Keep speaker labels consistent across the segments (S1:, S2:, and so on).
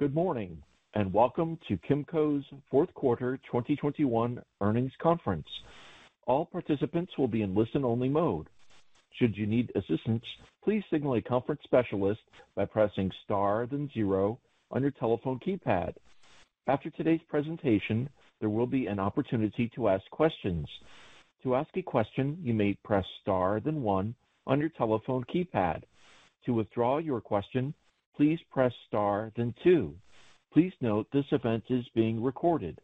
S1: Good morning, and welcome to Kimco's fourth quarter 2021 earnings conference. All participants will be in listen-only mode. Should you need assistance, please signal a conference specialist by pressing star, then zero on your telephone keypad. After today's presentation, there will be an opportunity to ask questions. To ask a question, you may press star, then one on your telephone keypad. To withdraw your question, please press star, then two. Please note this event is being recorded.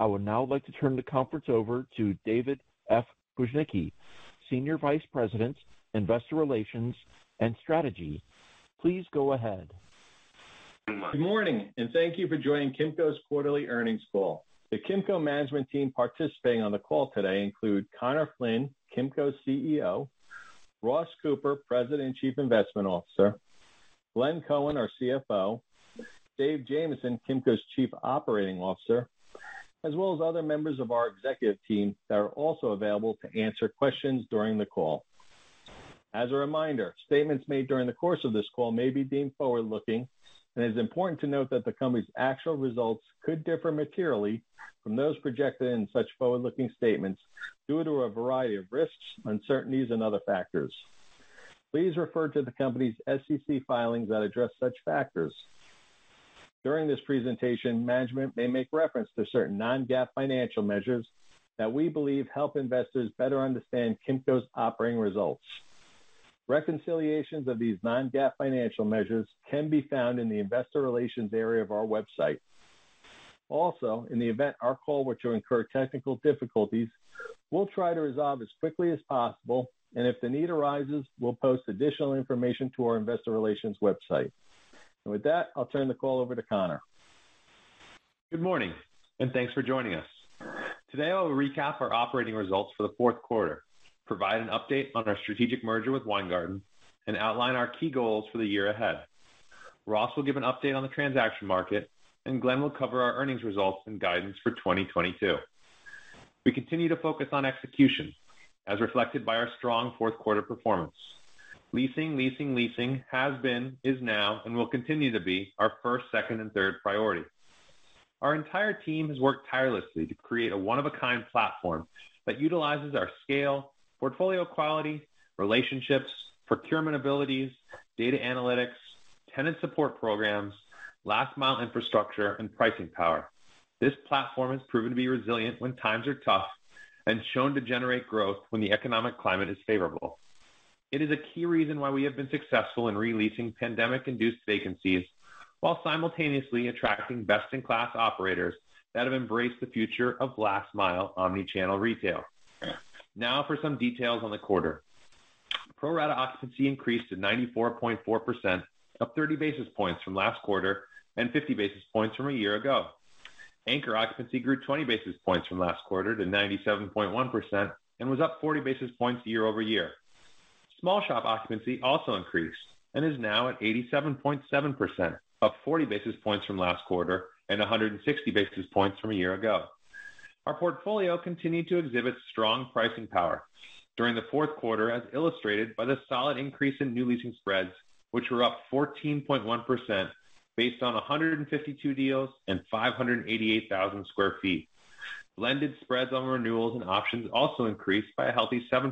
S1: I would now like to turn the conference over to David F. Bujnicki, Senior Vice President, Investor Relations and Strategy. Please go ahead.
S2: Good morning, and thank you for joining Kimco's quarterly earnings call. The Kimco management team participating on the call today include Conor Flynn, Kimco's CEO, Ross Cooper, President and Chief Investment Officer, Glenn Cohen, our CFO, Dave Jamieson, Kimco's Chief Operating Officer, as well as other members of our executive team that are also available to answer questions during the call. As a reminder, statements made during the course of this call may be deemed forward-looking, and it is important to note that the company's actual results could differ materially from those projected in such forward-looking statements due to a variety of risks, uncertainties, and other factors. Please refer to the company's SEC filings that address such factors. During this presentation, management may make reference to certain non-GAAP financial measures that we believe help investors better understand Kimco's operating results. Reconciliations of these non-GAAP financial measures can be found in the investor relations area of our website. Also, in the event our call were to incur technical difficulties, we'll try to resolve as quickly as possible, and if the need arises, we'll post additional information to our investor relations website. With that, I'll turn the call over to Conor.
S3: Good morning and thanks for joining us. Today, I'll recap our operating results for the fourth quarter, provide an update on our strategic merger with Weingarten, and outline our key goals for the year ahead. Ross will give an update on the transaction market, and Glenn will cover our earnings results and guidance for 2022. We continue to focus on execution as reflected by our strong fourth quarter performance. Leasing has been, is now, and will continue to be our first, second, and third priority. Our entire team has worked tirelessly to create a one-of-a-kind platform that utilizes our scale, portfolio quality, relationships, procurement abilities, data analytics, tenant support programs, last-mile infrastructure, and pricing power. This platform has proven to be resilient when times are tough and shown to generate growth when the economic climate is favorable. It is a key reason why we have been successful in re-leasing pandemic-induced vacancies while simultaneously attracting best-in-class operators that have embraced the future of last mile omni-channel retail. Now for some details on the quarter. Pro rata occupancy increased to 94.4%, up 30 basis points from last quarter and 50 basis points from a year ago. Anchor occupancy grew 20 basis points from last quarter to 97.1% and was up 40 basis points year-over-year. Small shop occupancy also increased and is now at 87.7%, up 40 basis points from last quarter and 160 basis points from a year ago. Our portfolio continued to exhibit strong pricing power during the fourth quarter, as illustrated by the solid increase in new leasing spreads, which were up 14.1% based on 152 deals and 588,000 sq ft. Blended spreads on renewals and options also increased by a healthy 7%,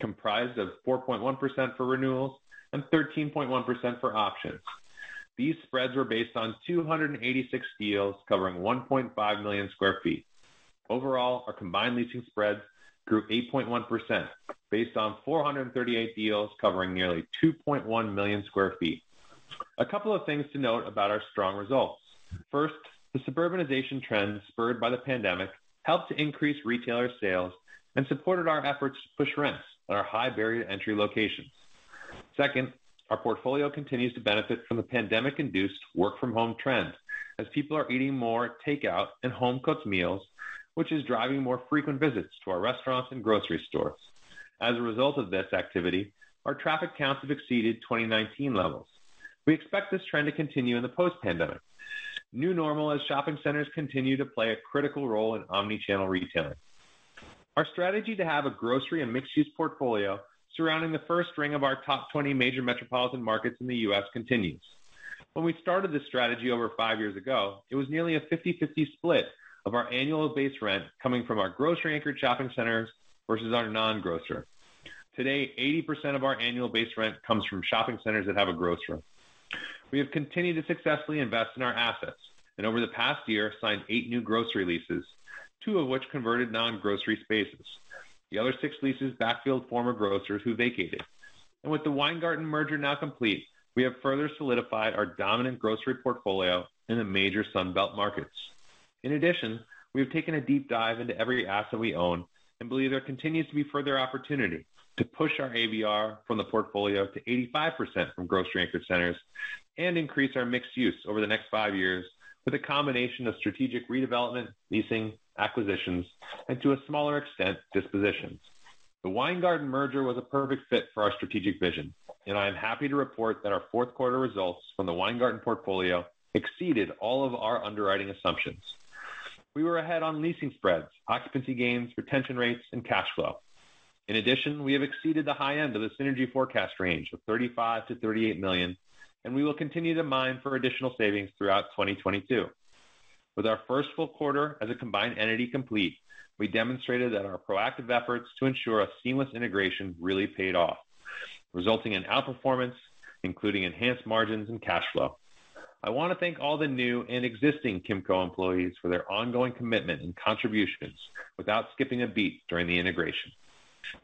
S3: comprised of 4.1% for renewals and 13.1% for options. These spreads were based on 286 deals covering 1.5 million sq ft. Overall, our combined leasing spreads grew 8.1% based on 438 deals covering nearly 2.1 million sq ft. A couple of things to note about our strong results. First, the suburbanization trend spurred by the pandemic helped to increase retailer sales and supported our efforts to push rents on our high barrier to entry locations. Second, our portfolio continues to benefit from the pandemic-induced work-from-home trend as people are eating more takeout and home-cooked meals, which is driving more frequent visits to our restaurants and grocery stores. As a result of this activity, our traffic counts have exceeded 2019 levels. We expect this trend to continue in the post-pandemic new normal as shopping centers continue to play a critical role in omni-channel retailing. Our strategy to have a grocery and mixed-use portfolio surrounding the first ring of our top 20 major metropolitan markets in the U.S. continues. When we started this strategy over five years ago, it was nearly a 50/50 split of our annual base rent coming from our grocery-anchored shopping centers versus our non-grocer. Today, 80% of our annual base rent comes from shopping centers that have a grocer. We have continued to successfully invest in our assets and over the past year signed eight new grocery leases, two of which converted non-grocery spaces. The other six leases backfilled former grocers who vacated. With the Weingarten merger now complete, we have further solidified our dominant grocery portfolio in the major Sun Belt markets. In addition, we have taken a deep dive into every asset we own and believe there continues to be further opportunity to push our ABR from the portfolio to 85% from grocery-anchored centers and increase our mixed-use over the next five years with a combination of strategic redevelopment, leasing, acquisitions, and to a smaller extent, dispositions. The Weingarten merger was a perfect fit for our strategic vision, and I am happy to report that our fourth quarter results from the Weingarten portfolio exceeded all of our underwriting assumptions. We were ahead on leasing spreads, occupancy gains, retention rates, and cash flow. In addition, we have exceeded the high end of the synergy forecast range of $35 million-$38 million, and we will continue to mine for additional savings throughout 2022. With our first full quarter as a combined entity complete, we demonstrated that our proactive efforts to ensure a seamless integration really paid off, resulting in outperformance, including enhanced margins and cash flow. I want to thank all the new and existing Kimco employees for their ongoing commitment and contributions without skipping a beat during the integration.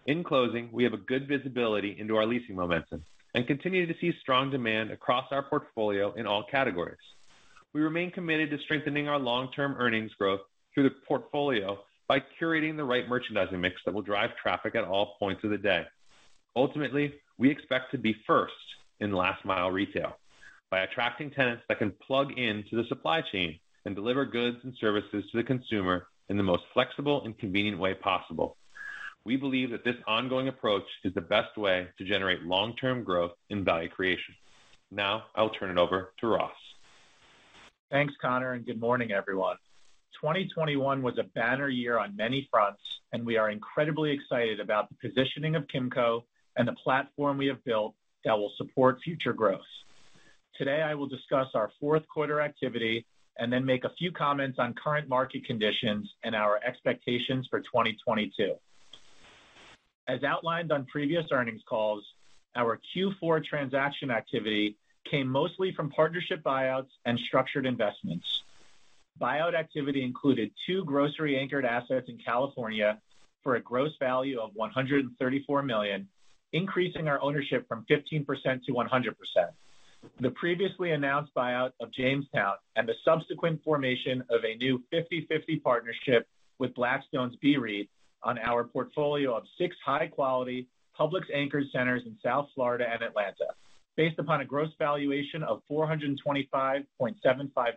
S3: In closing, we have a good visibility into our leasing momentum and continue to see strong demand across our portfolio in all categories. We remain committed to strengthening our long-term earnings growth through the portfolio by curating the right merchandising mix that will drive traffic at all points of the day. Ultimately, we expect to be first in last mile retail by attracting tenants that can plug into the supply chain and deliver goods and services to the consumer in the most flexible and convenient way possible. We believe that this ongoing approach is the best way to generate long-term growth and value creation. Now I'll turn it over to Ross.
S4: Thanks, Conor, and good morning, everyone. 2021 was a banner year on many fronts, and we are incredibly excited about the positioning of Kimco and the platform we have built that will support future growth. Today, I will discuss our fourth quarter activity and then make a few comments on current market conditions and our expectations for 2022. As outlined on previous earnings calls, our Q4 transaction activity came mostly from partnership buyouts and structured investments. Buyout activity included two grocery-anchored assets in California for a gross value of $134 million, increasing our ownership from 15% to 100%. The previously announced buyout of Jamestown and the subsequent formation of a new 50/50 partnership with Blackstone's BREIT on our portfolio of six high-quality Publix-anchored centers in South Florida and Atlanta. Based upon a gross valuation of $425.75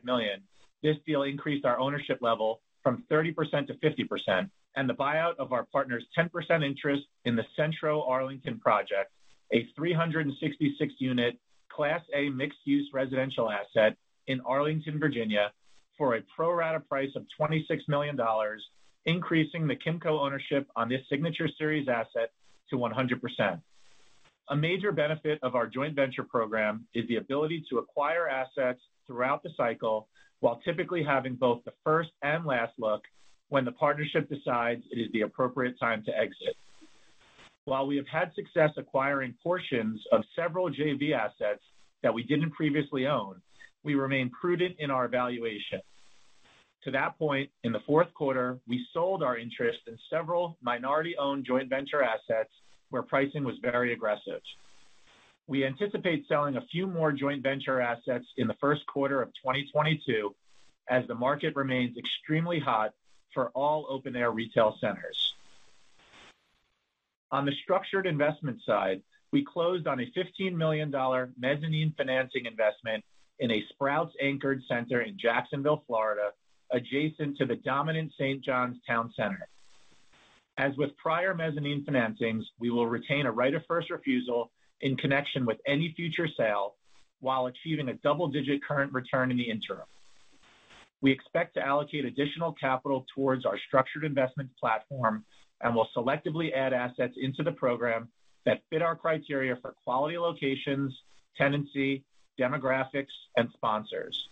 S4: million, this deal increased our ownership level from 30% to 50%, and the buyout of our partner's 10% interest in the Centro Arlington project, a 366-unit class A mixed-use residential asset in Arlington, Virginia, for a pro rata price of $26 million, increasing the Kimco ownership on this Signature Series asset to 100%. A major benefit of our joint venture program is the ability to acquire assets throughout the cycle while typically having both the first and last look when the partnership decides it is the appropriate time to exit. While we have had success acquiring portions of several JV assets that we didn't previously own, we remain prudent in our evaluation. To that point, in the fourth quarter, we sold our interest in several minority-owned joint venture assets where pricing was very aggressive. We anticipate selling a few more joint venture assets in the first quarter of 2022, as the market remains extremely hot for all open air retail centers. On the structured investment side, we closed on a $15 million mezzanine financing investment in a Sprouts anchored center in Jacksonville, Florida, adjacent to the dominant St. Johns Town Center. As with prior mezzanine financings, we will retain a right of first refusal in connection with any future sale while achieving a double-digit current return in the interim. We expect to allocate additional capital towards our structured investment platform and will selectively add assets into the program that fit our criteria for quality locations, tenancy, demographics, and sponsors.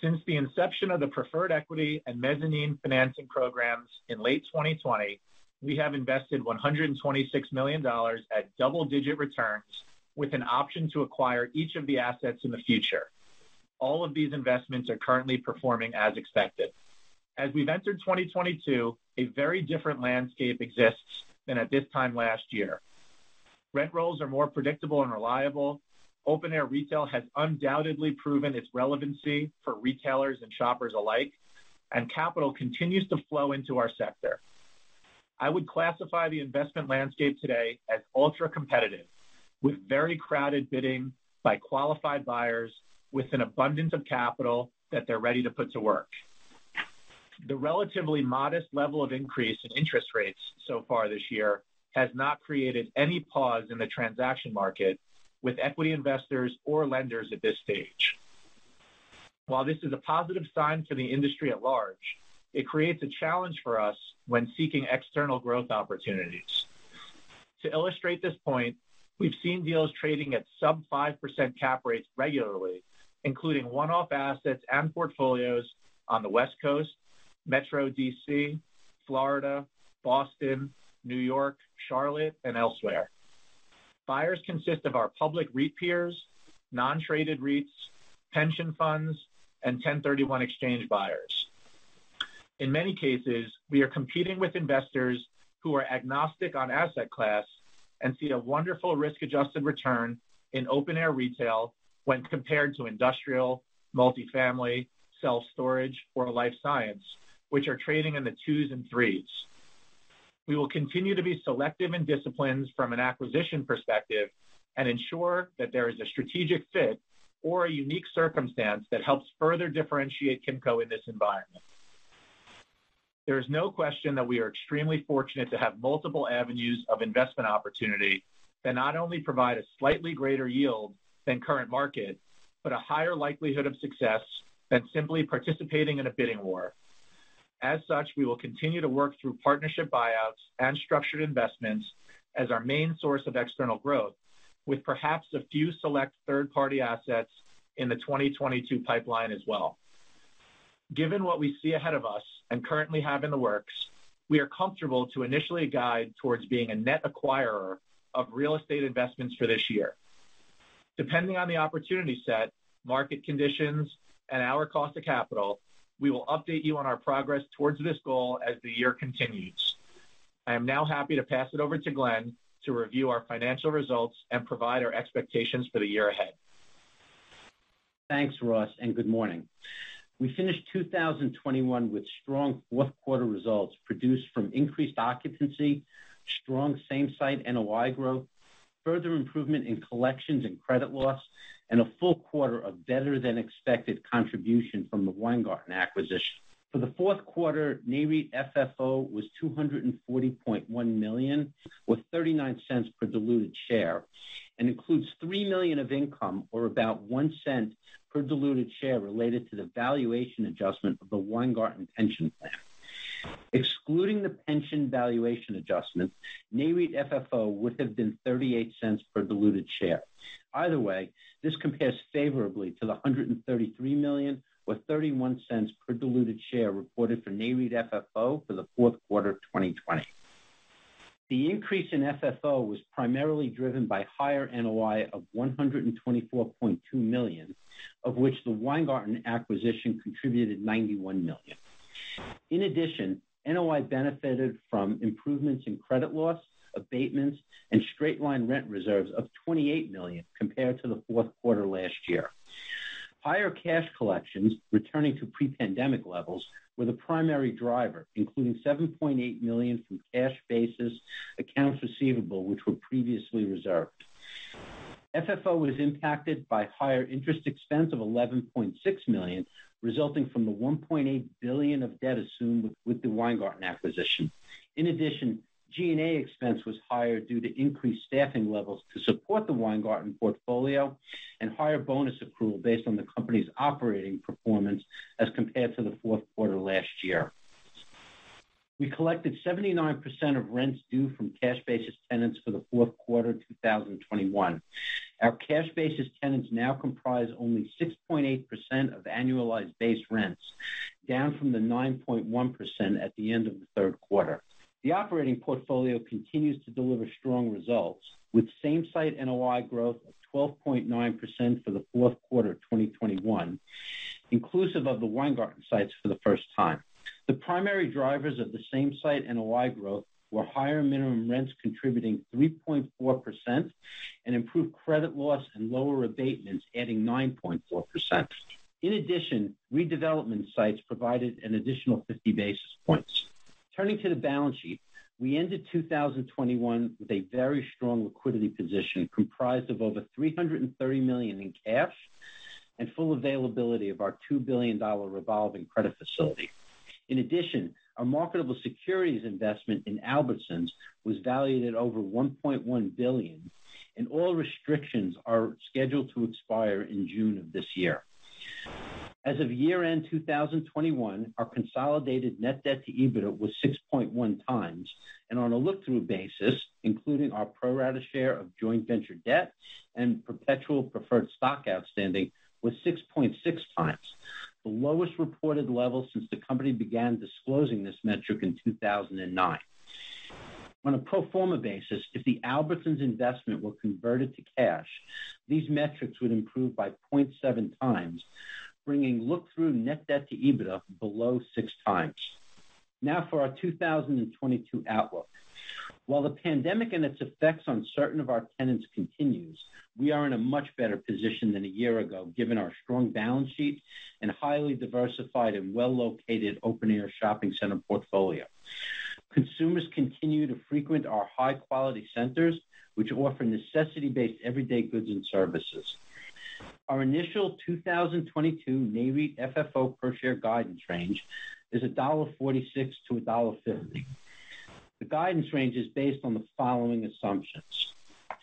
S4: Since the inception of the preferred equity and mezzanine financing programs in late 2020, we have invested $126 million at double-digit returns with an option to acquire each of the assets in the future. All of these investments are currently performing as expected. As we've entered 2022, a very different landscape exists than at this time last year. Rent rolls are more predictable and reliable. Open air retail has undoubtedly proven its relevancy for retailers and shoppers alike, and capital continues to flow into our sector. I would classify the investment landscape today as ultra-competitive, with very crowded bidding by qualified buyers with an abundance of capital that they're ready to put to work. The relatively modest level of increase in interest rates so far this year has not created any pause in the transaction market with equity investors or lenders at this stage. While this is a positive sign for the industry at large, it creates a challenge for us when seeking external growth opportunities. To illustrate this point, we've seen deals trading at sub-5% cap rates regularly, including one-off assets and portfolios on the West Coast, Metro D.C., Florida, Boston, New York, Charlotte, and elsewhere. Buyers consist of our public REIT peers, non-traded REITs, pension funds, and 1031 exchange buyers. In many cases, we are competing with investors who are agnostic on asset class and see a wonderful risk-adjusted return in open air retail when compared to industrial, multi-family, self-storage, or life science, which are trading in the 2s and 3s. We will continue to be selective and disciplined from an acquisition perspective and ensure that there is a strategic fit or a unique circumstance that helps further differentiate Kimco in this environment. There is no question that we are extremely fortunate to have multiple avenues of investment opportunity that not only provide a slightly greater yield than current market, but a higher likelihood of success than simply participating in a bidding war. As such, we will continue to work through partnership buyouts and structured investments as our main source of external growth, with perhaps a few select third-party assets in the 2022 pipeline as well. Given what we see ahead of us and currently have in the works, we are comfortable to initially guide towards being a net acquirer of real estate investments for this year. Depending on the opportunity set, market conditions, and our cost of capital, we will update you on our progress towards this goal as the year continues. I am now happy to pass it over to Glenn to review our financial results and provide our expectations for the year ahead.
S5: Thanks, Ross, and good morning. We finished 2021 with strong fourth quarter results produced from increased occupancy, strong same-site NOI growth, further improvement in collections and credit loss, and a full quarter of better than expected contribution from the Weingarten acquisition. For the fourth quarter, NAREIT FFO was $240.1 million, with $0.39 per diluted share, and includes $3 million of income, or about $0.01 per diluted share related to the valuation adjustment of the Weingarten pension plan. Excluding the pension valuation adjustment, NAREIT FFO would have been $0.38 per diluted share. Either way, this compares favorably to the $133 million, with $0.31 per diluted share reported for NAREIT FFO for the fourth quarter of 2020. The increase in FFO was primarily driven by higher NOI of $124.2 million, of which the Weingarten acquisition contributed $91 million. In addition, NOI benefited from improvements in credit loss, abatements, and straight-line rent reserves of $28 million compared to the fourth quarter last year. Higher cash collections returning to pre-pandemic levels were the primary driver, including $7.8 million from cash basis accounts receivable, which were previously reserved. FFO was impacted by higher interest expense of $11.6 million, resulting from the $1.8 billion of debt assumed with the Weingarten acquisition. In addition, G&A expense was higher due to increased staffing levels to support the Weingarten portfolio and higher bonus accrual based on the company's operating performance as compared to the fourth quarter last year. We collected 79% of rents due from cash basis tenants for the fourth quarter 2021. Our cash basis tenants now comprise only 6.8% of annualized base rents, down from the 9.1% at the end of the third quarter. The operating portfolio continues to deliver strong results, with same-site NOI growth of 12.9% for the fourth quarter of 2021, inclusive of the Weingarten sites for the first time. The primary drivers of the same-site NOI growth were higher minimum rents contributing 3.4% and improved credit loss and lower abatements adding 9.4%. In addition, redevelopment sites provided an additional 50 basis points. Turning to the balance sheet, we ended 2021 with a very strong liquidity position comprised of over $330 million in cash and full availability of our $2 billion revolving credit facility. In addition, our marketable securities investment in Albertsons was valued at over $1.1 billion, and all restrictions are scheduled to expire in June of this year. As of year-end 2021, our consolidated net debt to EBITDA was 6.1x, and on a look-through basis, including our pro rata share of joint venture debt and perpetual preferred stock outstanding, was 6.6x. The lowest reported level since the company began disclosing this metric in 2009. On a pro forma basis, if the Albertsons investment were converted to cash, these metrics would improve by 0.7x, bringing look-through net debt to EBITDA below 6x. Now for our 2022 outlook. While the pandemic and its effects on certain of our tenants continues, we are in a much better position than a year ago, given our strong balance sheet and highly diversified and well-located open-air shopping center portfolio. Consumers continue to frequent our high-quality centers, which offer necessity-based everyday goods and services. Our initial 2022 NAREIT FFO per share guidance range is $1.46-$1.50. The guidance range is based on the following assumptions.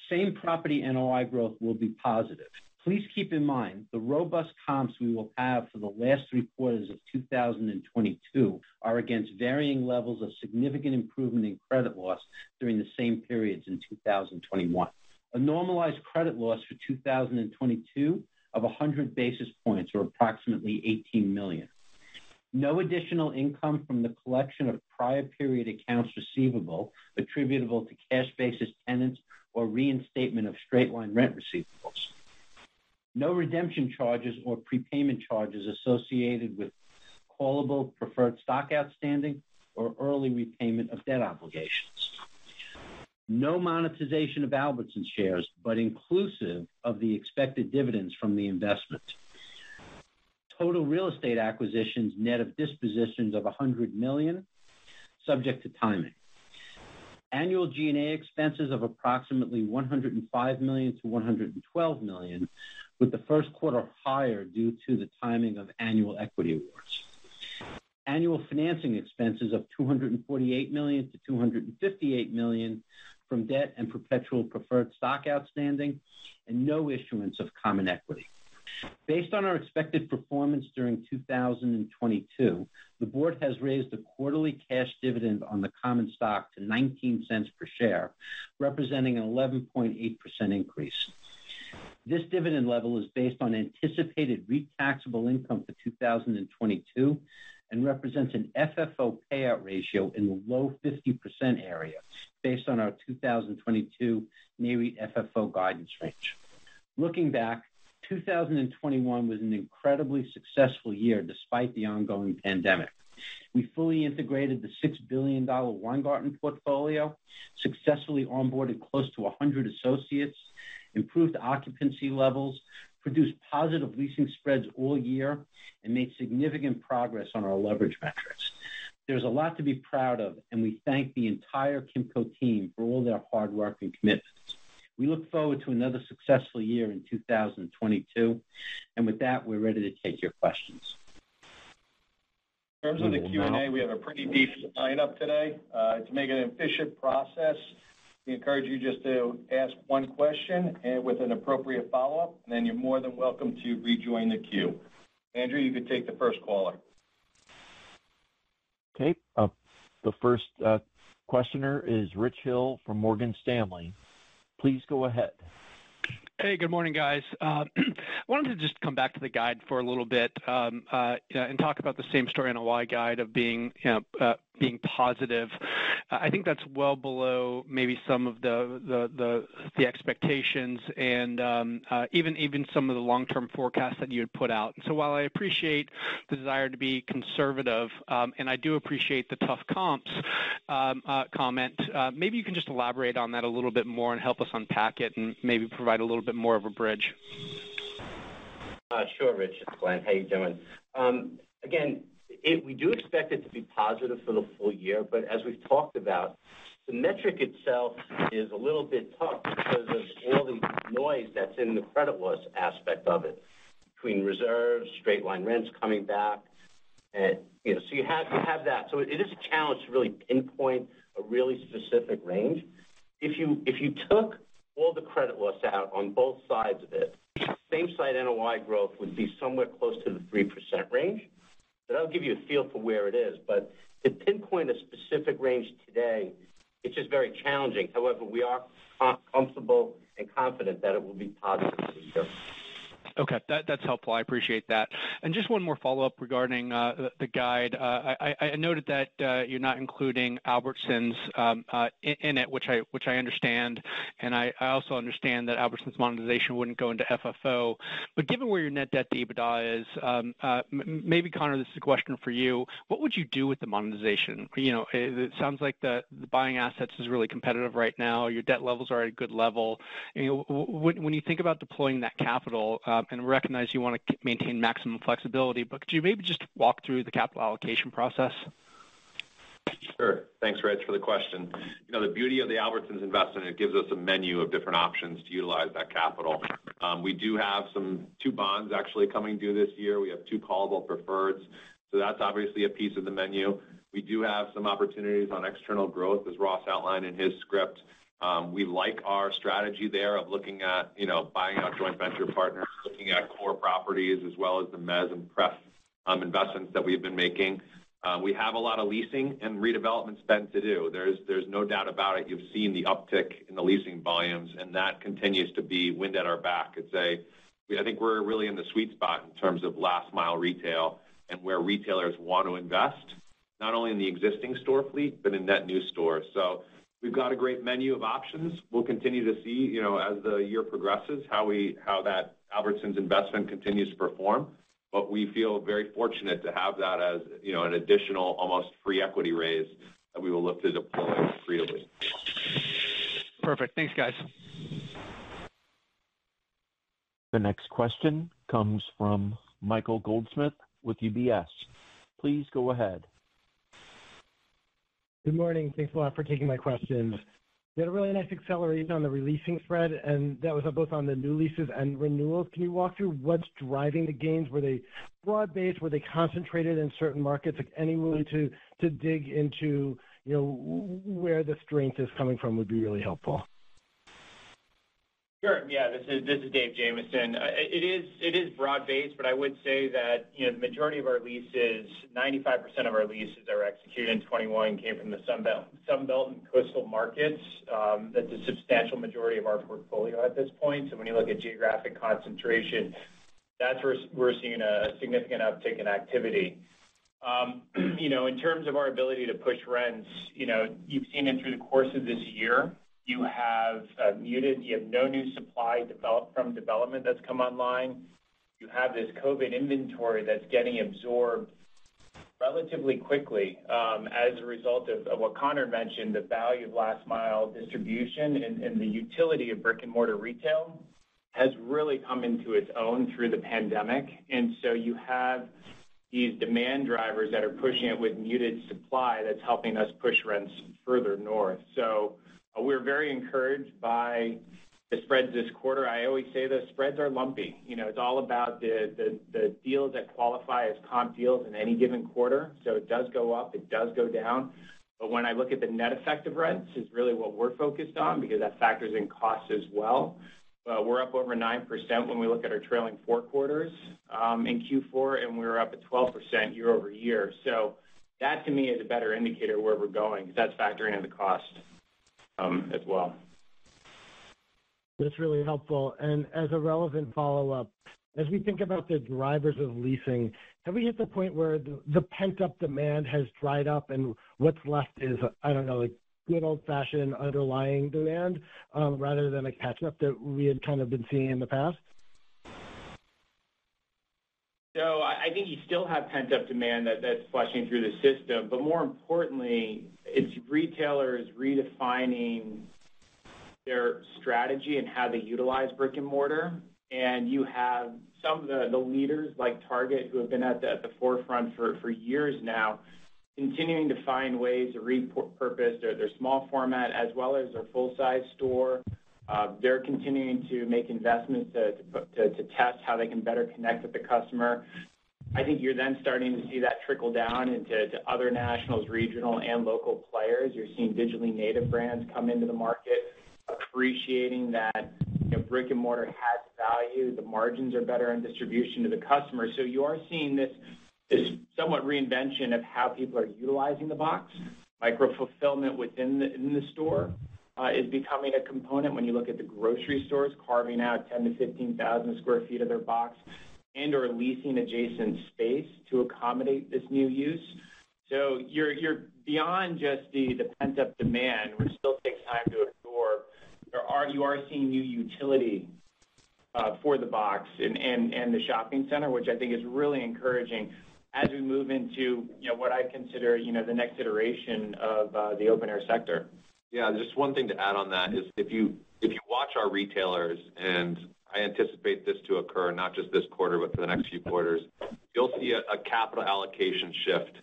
S5: Same property NOI growth will be positive. Please keep in mind the robust comps we will have for the last three quarters of 2022 are against varying levels of significant improvement in credit loss during the same periods in 2021. A normalized credit loss for 2022 of 100 basis points or approximately $18 million. No additional income from the collection of prior period accounts receivable attributable to cash basis tenants or reinstatement of straight-line rent receivables. No redemption charges or prepayment charges associated with callable preferred stock outstanding or early repayment of debt obligations. No monetization of Albertsons shares, but inclusive of the expected dividends from the investment. Total real estate acquisitions net of dispositions of $100 million, subject to timing. Annual G&A expenses of approximately $105 million-$112 million, with the first quarter higher due to the timing of annual equity awards. Annual financing expenses of $248 million-$258 million from debt and perpetual preferred stock outstanding, and no issuance of common equity. Based on our expected performance during 2022, the board has raised the quarterly cash dividend on the common stock to $0.19 per share, representing an 11.8% increase. This dividend level is based on anticipated REIT taxable income for 2022, and represents an FFO payout ratio in the low 50% area based on our 2022 NAREIT FFO guidance range. Looking back, 2021 was an incredibly successful year despite the ongoing pandemic. We fully integrated the $6 billion Weingarten portfolio, successfully onboarded close to 100 associates, improved occupancy levels, produced positive leasing spreads all year, and made significant progress on our leverage metrics. There's a lot to be proud of, and we thank the entire Kimco team for all their hard work and commitment. We look forward to another successful year in 2022. With that, we're ready to take your questions.
S3: In terms of the Q&A, we have a pretty decent sign up today. To make it an efficient process, we encourage you just to ask one question with an appropriate follow-up, and then you're more than welcome to rejoin the queue. Andrew, you can take the first caller.
S1: Okay. The first questioner is Rich Hill from Morgan Stanley. Please go ahead.
S6: Hey, good morning, guys. Wanted to just come back to the guide for a little bit, and talk about the same-site NOI guide of being, you know, being positive. I think that's well below maybe some of the expectations and even some of the long-term forecasts that you had put out. While I appreciate the desire to be conservative, and I do appreciate the tough comps comment, maybe you can just elaborate on that a little bit more and help us unpack it and maybe provide a little bit more of a bridge.
S5: Sure, Rich. It's Glenn. How you doing? Again, we do expect it to be positive for the full year, but as we've talked about, the metric itself is a little bit tough because of all the noise that's in the credit loss aspect of it, between reserves, straight line rents coming back. You know, so you have that. It is a challenge to really pinpoint a really specific range. If you took all the credit loss out on both sides of it, same-site NOI growth would be somewhere close to the 3% range. That'll give you a feel for where it is. But to pinpoint a specific range today, it's just very challenging. However, we are comfortable and confident that it will be positive this year.
S6: Okay. That's helpful. I appreciate that. Just one more follow-up regarding the guide. I noted that you're not including Albertsons in it, which I understand. I also understand that Albertsons' monetization wouldn't go into FFO. Given where your net debt to EBITDA is, maybe Conor, this is a question for you. What would you do with the monetization? You know, it sounds like the buying assets is really competitive right now. Your debt levels are at a good level. You know, when you think about deploying that capital, and recognize you wanna maintain maximum flexibility. Could you maybe just walk through the capital allocation process?
S3: Sure. Thanks, Rich, for the question. You know, the beauty of the Albertsons investment, it gives us a menu of different options to utilize that capital. We do have some two bonds actually coming due this year. We have two callable preferreds. So that's obviously a piece of the menu. We do have some opportunities on external growth, as Ross outlined in his script. We like our strategy there of looking at, you know, buying our joint venture partners, looking at core properties, as well as the mezzanine and pref investments that we've been making. We have a lot of leasing and redevelopment spend to do. There's no doubt about it. You've seen the uptick in the leasing volumes, and that continues to be wind at our back. I think we're really in the sweet spot in terms of last mile retail and where retailers want to invest, not only in the existing store fleet, but in net new stores. We've got a great menu of options. We'll continue to see, you know, as the year progresses, how that Albertsons investment continues to perform. We feel very fortunate to have that as, you know, an additional almost free equity raise that we will look to deploy freely.
S6: Perfect. Thanks, guys.
S1: The next question comes from Michael Goldsmith with UBS. Please go ahead.
S7: Good morning. Thanks a lot for taking my questions. We had a really nice acceleration on the releasing spread, and that was on both the new leases and renewals. Can you walk through what's driving the gains? Were they broad-based? Were they concentrated in certain markets? Like, any way to dig into, you know, where the strength is coming from would be really helpful.
S8: This is Dave Jamieson. It is broad-based, but I would say that, you know, the majority of our leases, 95% of our leases are executed in 2021 and came from the Sun Belt and coastal markets that the substantial majority of our portfolio at this point. When you look at geographic concentration, that's where we're seeing a significant uptick in activity. You know, in terms of our ability to push rents, you've seen it through the course of this year. You have no new supply from development that's come online. You have this COVID inventory that's getting absorbed relatively quickly, as a result of what Conor mentioned, the value of last mile re-distribution and the utility of brick-and-mortar retail has really come into its own through the pandemic. You have these demand drivers that are pushing it with muted supply that's helping us push rents further north. We're very encouraged by the spreads this quarter. I always say the spreads are lumpy. You know, it's all about the deals that qualify as comp deals in any given quarter. It does go up, it does go down. When I look at the net effect of rents is really what we're focused on because that factors in cost as well. We're up over 9% when we look at our trailing four quarters in Q4, and we're up at 12% year-over-year. That to me is a better indicator of where we're going 'cause that's factoring in the cost, as well.
S7: That's really helpful. As a relevant follow-up, as we think about the drivers of leasing, have we hit the point where the pent-up demand has dried up and what's left is, I don't know, like good old-fashioned underlying demand, rather than a catch-up that we had kind of been seeing in the past?
S8: No, I think you still have pent-up demand that's flushing through the system. More importantly, it's retailers redefining their strategy and how they utilize brick-and-mortar. You have some of the leaders like Target, who have been at the forefront for years now, continuing to find ways to repurpose their small format as well as their full size store. They're continuing to make investments to test how they can better connect with the customer. I think you're then starting to see that trickle down into other nationals, regional, and local players. You're seeing digitally native brands come into the market appreciating that, you know, brick-and-mortar has value, the margins are better, and distribution to the customer. You are seeing this somewhat reinvention of how people are utilizing the box. Micro fulfillment within the store is becoming a component when you look at the grocery stores carving out 10,000-15,000 sq ft of their box and/or leasing adjacent space to accommodate this new use. You're beyond just the pent-up demand, which still takes time to absorb. You are seeing new utility for the box and the shopping center, which I think is really encouraging as we move into, you know, what I consider, you know, the next iteration of the open air sector.
S3: Yeah. Just one thing to add on that is if you watch our retailers, and I anticipate this to occur not just this quarter, but for the next few quarters, you'll see a capital allocation shift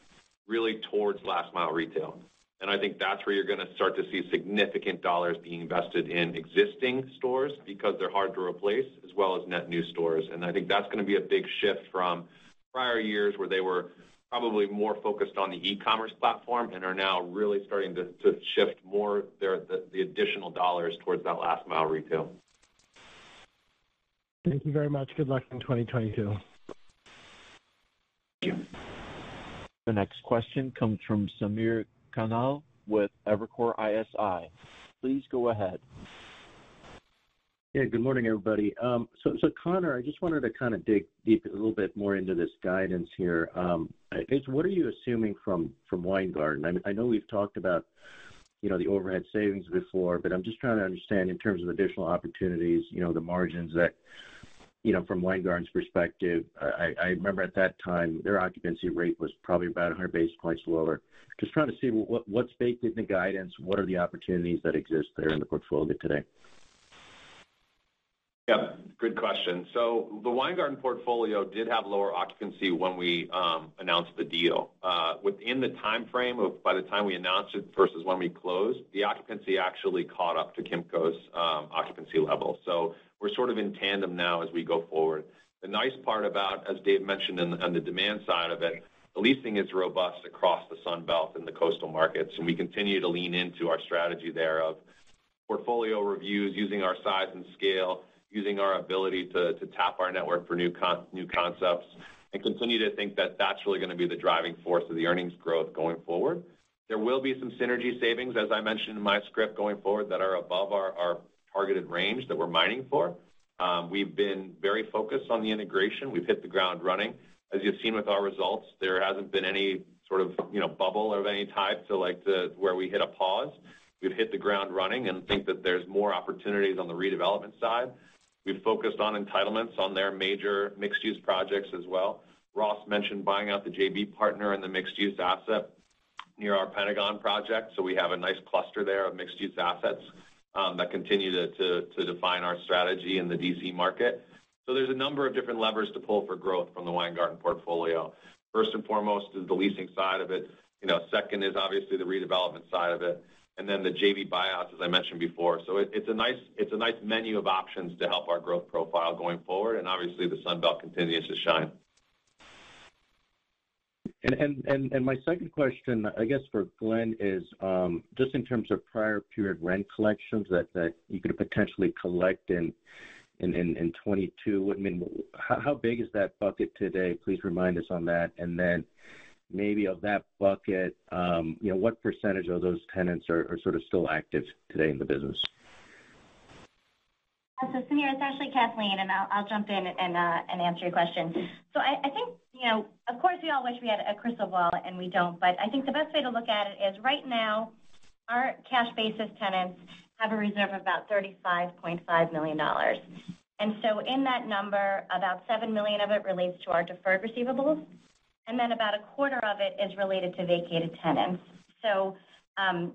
S3: really towards last mile retail. I think that's where you're gonna start to see significant dollars being invested in existing stores because they're hard to replace as well as net new stores. I think that's gonna be a big shift from prior years where they were probably more focused on the e-commerce platform and are now really starting to shift more their the additional dollars towards that last mile retail.
S7: Thank you very much. Good luck in 2022.
S8: Thank you.
S1: The next question comes from Samir Khanal with Evercore ISI. Please go ahead.
S9: Yeah, good morning, everybody. Conor, I just wanted to kind of dig deep a little bit more into this guidance here. I guess what are you assuming from Weingarten? I know we've talked about, you know, the overhead savings before, but I'm just trying to understand in terms of additional opportunities, you know, the margins that, you know, from Weingarten's perspective. I remember at that time their occupancy rate was probably about 100 basis points lower. Just trying to see what's baked in the guidance, what are the opportunities that exist there in the portfolio today?
S3: Yeah, good question. The Weingarten portfolio did have lower occupancy when we announced the deal. Within the timeframe of by the time we announced it versus when we closed, the occupancy actually caught up to Kimco's occupancy level. We're sort of in tandem now as we go forward. The nice part about, as Dave mentioned on the demand side of it, the leasing is robust across the Sun Belt and the coastal markets, and we continue to lean into our strategy there of portfolio reviews using our size and scale, using our ability to tap our network for new concepts and continue to think that that's really gonna be the driving force of the earnings growth going forward. There will be some synergy savings, as I mentioned in my script going forward, that are above our targeted range that we're mining for. We've been very focused on the integration. We've hit the ground running. As you've seen with our results, there hasn't been any sort of, you know, bubble of any type to where we hit a pause. We've hit the ground running and think that there's more opportunities on the redevelopment side. We've focused on entitlements on their major mixed-use projects as well. Ross mentioned buying out the JV partner in the mixed-use asset near our Pentagon project, so we have a nice cluster there of mixed-use assets that continue to define our strategy in the D.C. market. There's a number of different levers to pull for growth from the Weingarten portfolio. First and foremost is the leasing side of it. You know, second is obviously the redevelopment side of it, and then the JV buyouts, as I mentioned before. It's a nice menu of options to help our growth profile going forward, and obviously the Sun Belt continues to shine.
S9: My second question, I guess for Glenn is, just in terms of prior period rent collections that you could potentially collect in 2022. I mean, how big is that bucket today? Please remind us on that. Then maybe of that bucket, you know, what percentage of those tenants are sort of still active today in the business?
S10: Samir, it's actually Kathleen, and I'll jump in and answer your question. I think, you know, of course, we all wish we had a crystal ball, and we don't. But I think the best way to look at it is right now, our cash basis tenants have a reserve of about $35.5 million. In that number, about $7 million of it relates to our deferred receivables and then about a quarter of it is related to vacated tenants.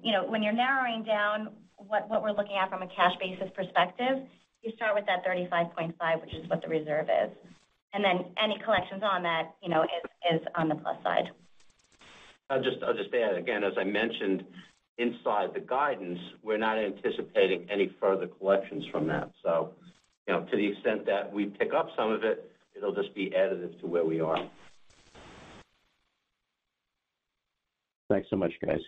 S10: You know, when you're narrowing down what we're looking at from a cash basis perspective, you start with that $35.5, which is what the reserve is. Any collections on that, you know, is on the plus side.
S5: I'll just add, again, as I mentioned inside the guidance, we're not anticipating any further collections from that. So, you know, to the extent that we pick up some of it'll just be additive to where we are.
S9: Thanks so much, guys.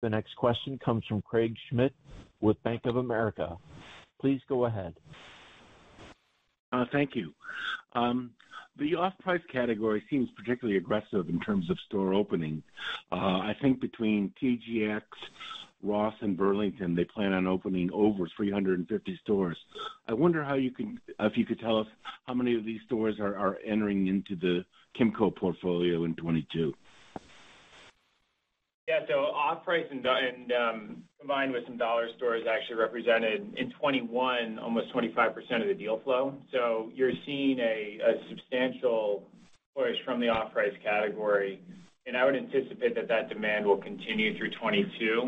S1: The next question comes from Craig Schmidt with Bank of America. Please go ahead.
S11: Thank you. The off-price category seems particularly aggressive in terms of store opening. I think between TJX, Ross, and Burlington, they plan on opening over 350 stores. I wonder if you could tell us how many of these stores are entering into the Kimco portfolio in 2022.
S8: Off-price combined with some dollar stores actually represented in 2021 almost 25% of the deal flow. You're seeing a substantial push from the off-price category, and I would anticipate that demand will continue through 2022. You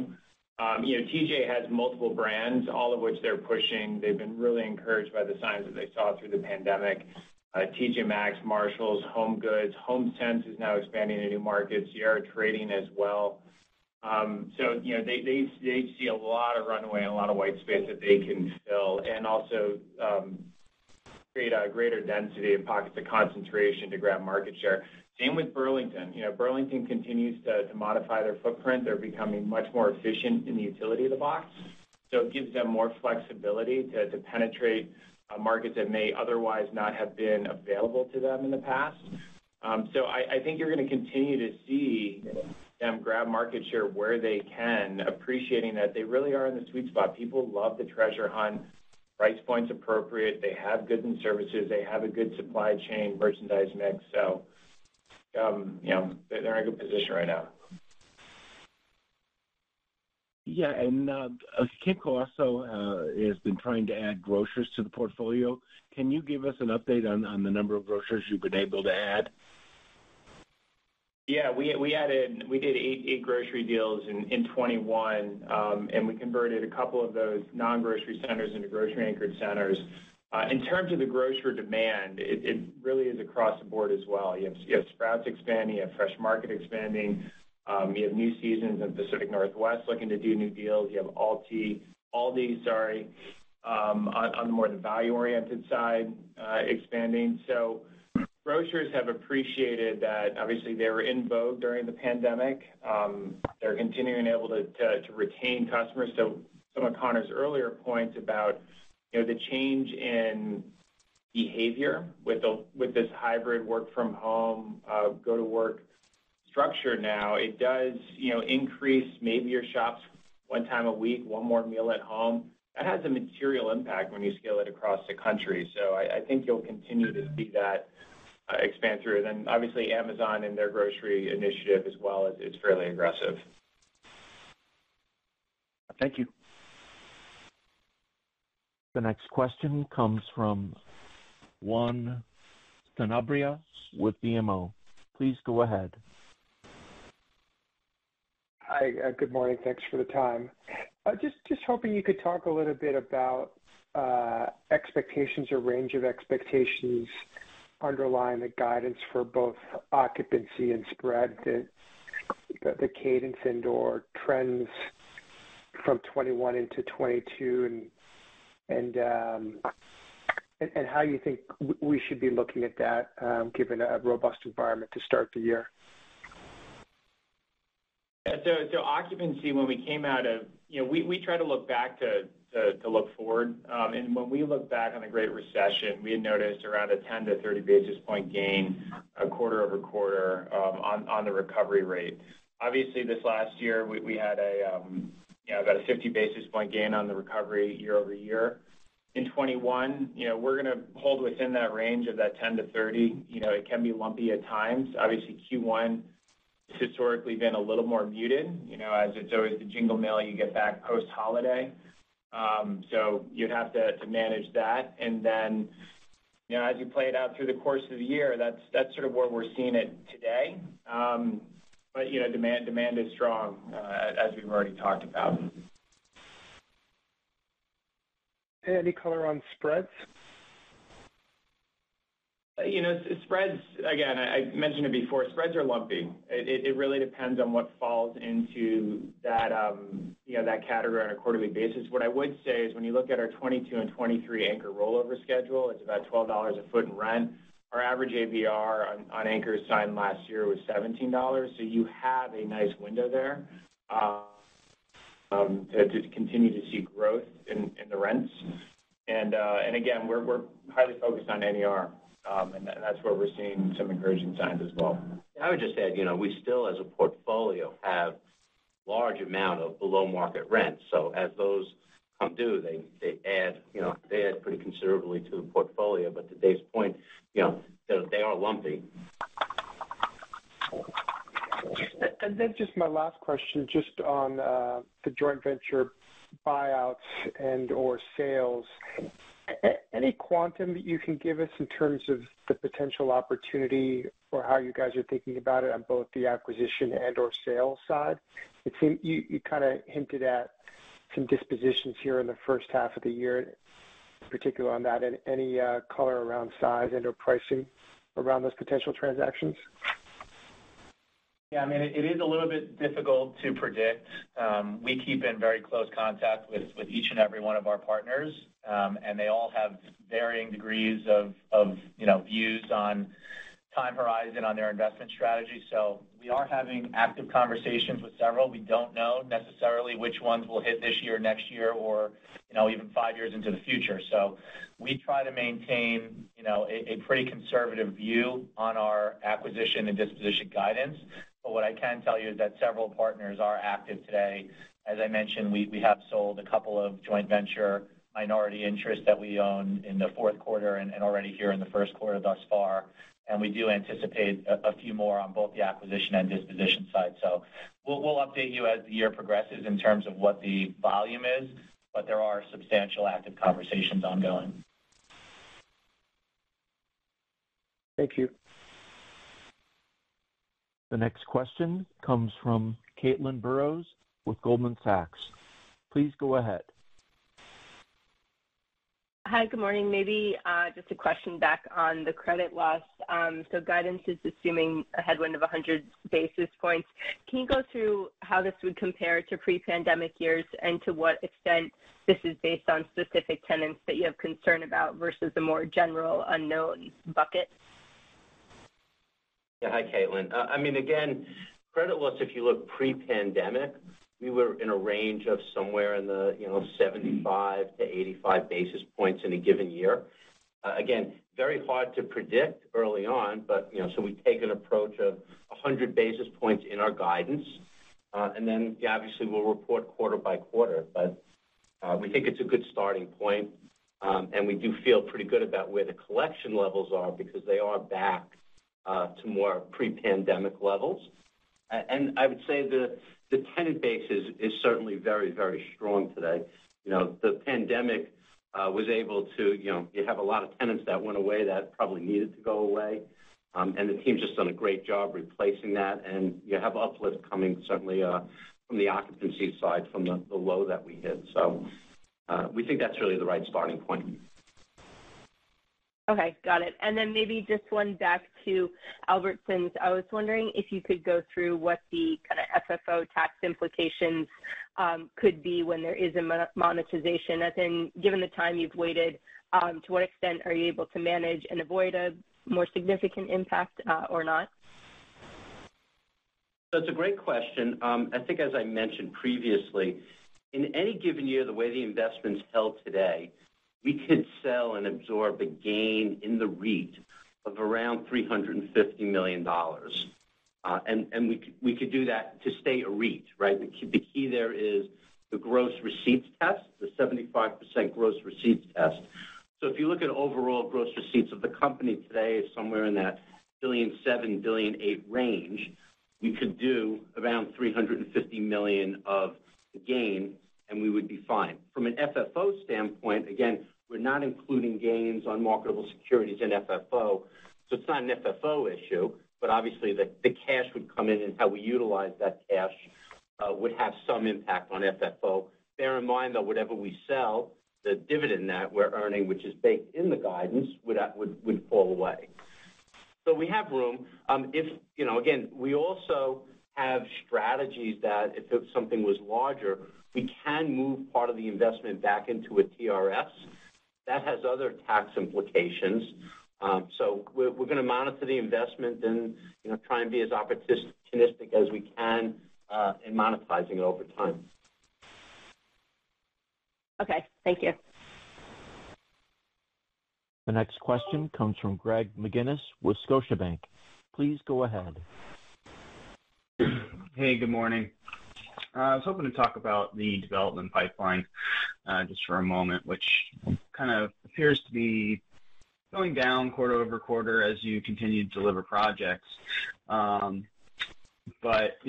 S8: know, TJ has multiple brands, all of which they're pushing. They've been really encouraged by the signs that they saw through the pandemic. TJ Maxx, Marshalls, HomeGoods. HomeSense is now expanding to new markets. Sierra Trading Post as well. You know, they see a lot of runway and a lot of white space that they can fill and also create a greater density of pockets of concentration to grab market share. Same with Burlington. You know, Burlington continues to modify their footprint. They're becoming much more efficient in the utility of the box, so it gives them more flexibility to penetrate markets that may otherwise not have been available to them in the past. So I think you're gonna continue to see them grab market share where they can, appreciating that they really are in the sweet spot. People love to treasure hunt, price point's appropriate. They have goods and services. They have a good supply chain, merchandise mix. So, you know, they're in a good position right now.
S11: Yeah. Kimco also has been trying to add grocers to the portfolio. Can you give us an update on the number of grocers you've been able to add?
S8: Yeah. We did eight grocery deals in 2021. We converted a couple of those non-grocery centers into grocery-anchored centers. In terms of the grocer demand, it really is across the board as well. You have Sprouts expanding. You have Fresh Market expanding. You have New Seasons in Pacific Northwest looking to do new deals. You have Aldi on the more value-oriented side expanding. Grocers have appreciated that. Obviously, they were in vogue during the pandemic. They're continuing to be able to retain customers. Some of Conor's earlier points about, you know, the change in behavior with this hybrid work from home, go to work structure now, it does, you know, increase maybe your shops one time a week, one more meal at home. That has a material impact when you scale it across the country. I think you'll continue to see that expand through. Obviously, Amazon and their grocery initiative as well is fairly aggressive.
S11: Thank you.
S1: The next question comes from Juan Sanabria with BMO. Please go ahead.
S12: Hi. Good morning. Thanks for the time. Just hoping you could talk a little bit about expectations or range of expectations underlying the guidance for both occupancy and spread, the cadence and/or trends from 2021 into 2022 and how you think we should be looking at that, given a robust environment to start the year.
S8: Occupancy, when we came out of- you know, we try to look back to look forward. When we look back on the Great Recession, we had noticed around a 10-30 basis point gain quarter-over-quarter on the recovery rate. Obviously, this last year, we had a, you know, about a 50 basis point gain on the recovery year-over-year. In 2021, you know, we're gonna hold within that range of that 10-30. You know, it can be lumpy at times. Obviously, Q1 has historically been a little more muted, you know, as it's always the jingle mail you get back post-holiday. You'd have to manage that. You know, as you play it out through the course of the year, that's sort of where we're seeing it today. You know, demand is strong, as we've already talked about.
S12: Any color on spreads?
S8: You know, spreads, again, I mentioned it before. Spreads are lumpy. It really depends on what falls into that, you know, that category on a quarterly basis. What I would say is, when you look at our 2022 and 2023 anchor rollover schedule, it's about $12 a foot in rent. Our average ABR on anchors signed last year was $17, so you have a nice window there to continue to see growth in the rents. We're highly focused on NAR, and that's where we're seeing some encouraging signs as well.
S5: I would just add, you know, we still, as a portfolio, have large amount of below-market rent. As those come due, they add, you know, they add pretty considerably to the portfolio. To Dave's point, you know, they are lumpy.
S12: Just my last question, just on the joint venture buyouts and or sales. Any quantum that you can give us in terms of the potential opportunity or how you guys are thinking about it on both the acquisition and or sales side? You kind of hinted at some dispositions here in the first half of the year, in particular on that. Any color around size and or pricing around those potential transactions?
S5: Yeah, I mean, it is a little bit difficult to predict. We keep in very close contact with each and every one of our partners, and they all have varying degrees of, you know, views on time horizon on their investment strategy. We are having active conversations with several. We don't know necessarily which ones will hit this year, next year, or, you know, even five years into the future. We try to maintain, you know, a pretty conservative view on our acquisition and disposition guidance. What I can tell you is that several partners are active today. As I mentioned, we have sold a couple of joint venture minority interests that we own in the fourth quarter and already here in the first quarter thus far. We do anticipate a few more on both the acquisition and disposition side. We'll update you as the year progresses in terms of what the volume is, but there are substantial active conversations ongoing.
S12: Thank you.
S1: The next question comes from Caitlin Burrows with Goldman Sachs. Please go ahead.
S13: Hi, good morning. Maybe, just a question back on the credit loss. So guidance is assuming a headwind of 100 basis points. Can you go through how this would compare to pre-pandemic years and to what extent this is based on specific tenants that you have concern about versus the more general unknown bucket?
S5: Yeah. Hi, Caitlin. I mean, again, credit loss, if you look pre-pandemic, we were in a range of somewhere in the, you know, 75-85 basis points in a given year. Again, very hard to predict early on, you know, so we take an approach of 100 basis points in our guidance. Obviously we'll report quarter-by-quarter. We think it's a good starting point, and we do feel pretty good about where the collection levels are because they are back to more pre-pandemic levels. I would say the tenant base is certainly very strong today. You know, the pandemic. You know, you have a lot of tenants that went away that probably needed to go away. The team's just done a great job replacing that. You have uplift coming certainly from the occupancy side, from the low that we hit. We think that's really the right starting point.
S13: Okay. Got it. Then maybe just one back to Albertsons. I was wondering if you could go through what the kind of FFO tax implications could be when there is a monetization. I think given the time you've waited, to what extent are you able to manage and avoid a more significant impact, or not?
S5: It's a great question. I think as I mentioned previously, in any given year, the way the investment's held today, we could sell and absorb a gain in the REIT of around $350 million. We could do that to stay a REIT, right? The key there is the gross receipts test, the 75% gross receipts test. If you look at overall gross receipts of the company today is somewhere in that $1.7 billion-$1.8 billion range. We could do around $350 million of gain, and we would be fine. From an FFO standpoint, again, we're not including gains on marketable securities in FFO, so it's not an FFO issue. But obviously the cash would come in, and how we utilize that cash would have some impact on FFO. Bear in mind that whatever we sell, the dividend net we're earning, which is baked in the guidance, would fall away. We have room. You know, again, we also have strategies that if something was larger, we can move part of the investment back into a TRS. That has other tax implications. We're gonna monitor the investment and, you know, try and be as opportunistic as we can in monetizing it over time.
S13: Okay. Thank you.
S1: The next question comes from Greg McGinniss with Scotiabank. Please go ahead.
S14: Hey, good morning. I was hoping to talk about the development pipeline, just for a moment, which kind of appears to be going down quarter-over-quarter as you continue to deliver projects. You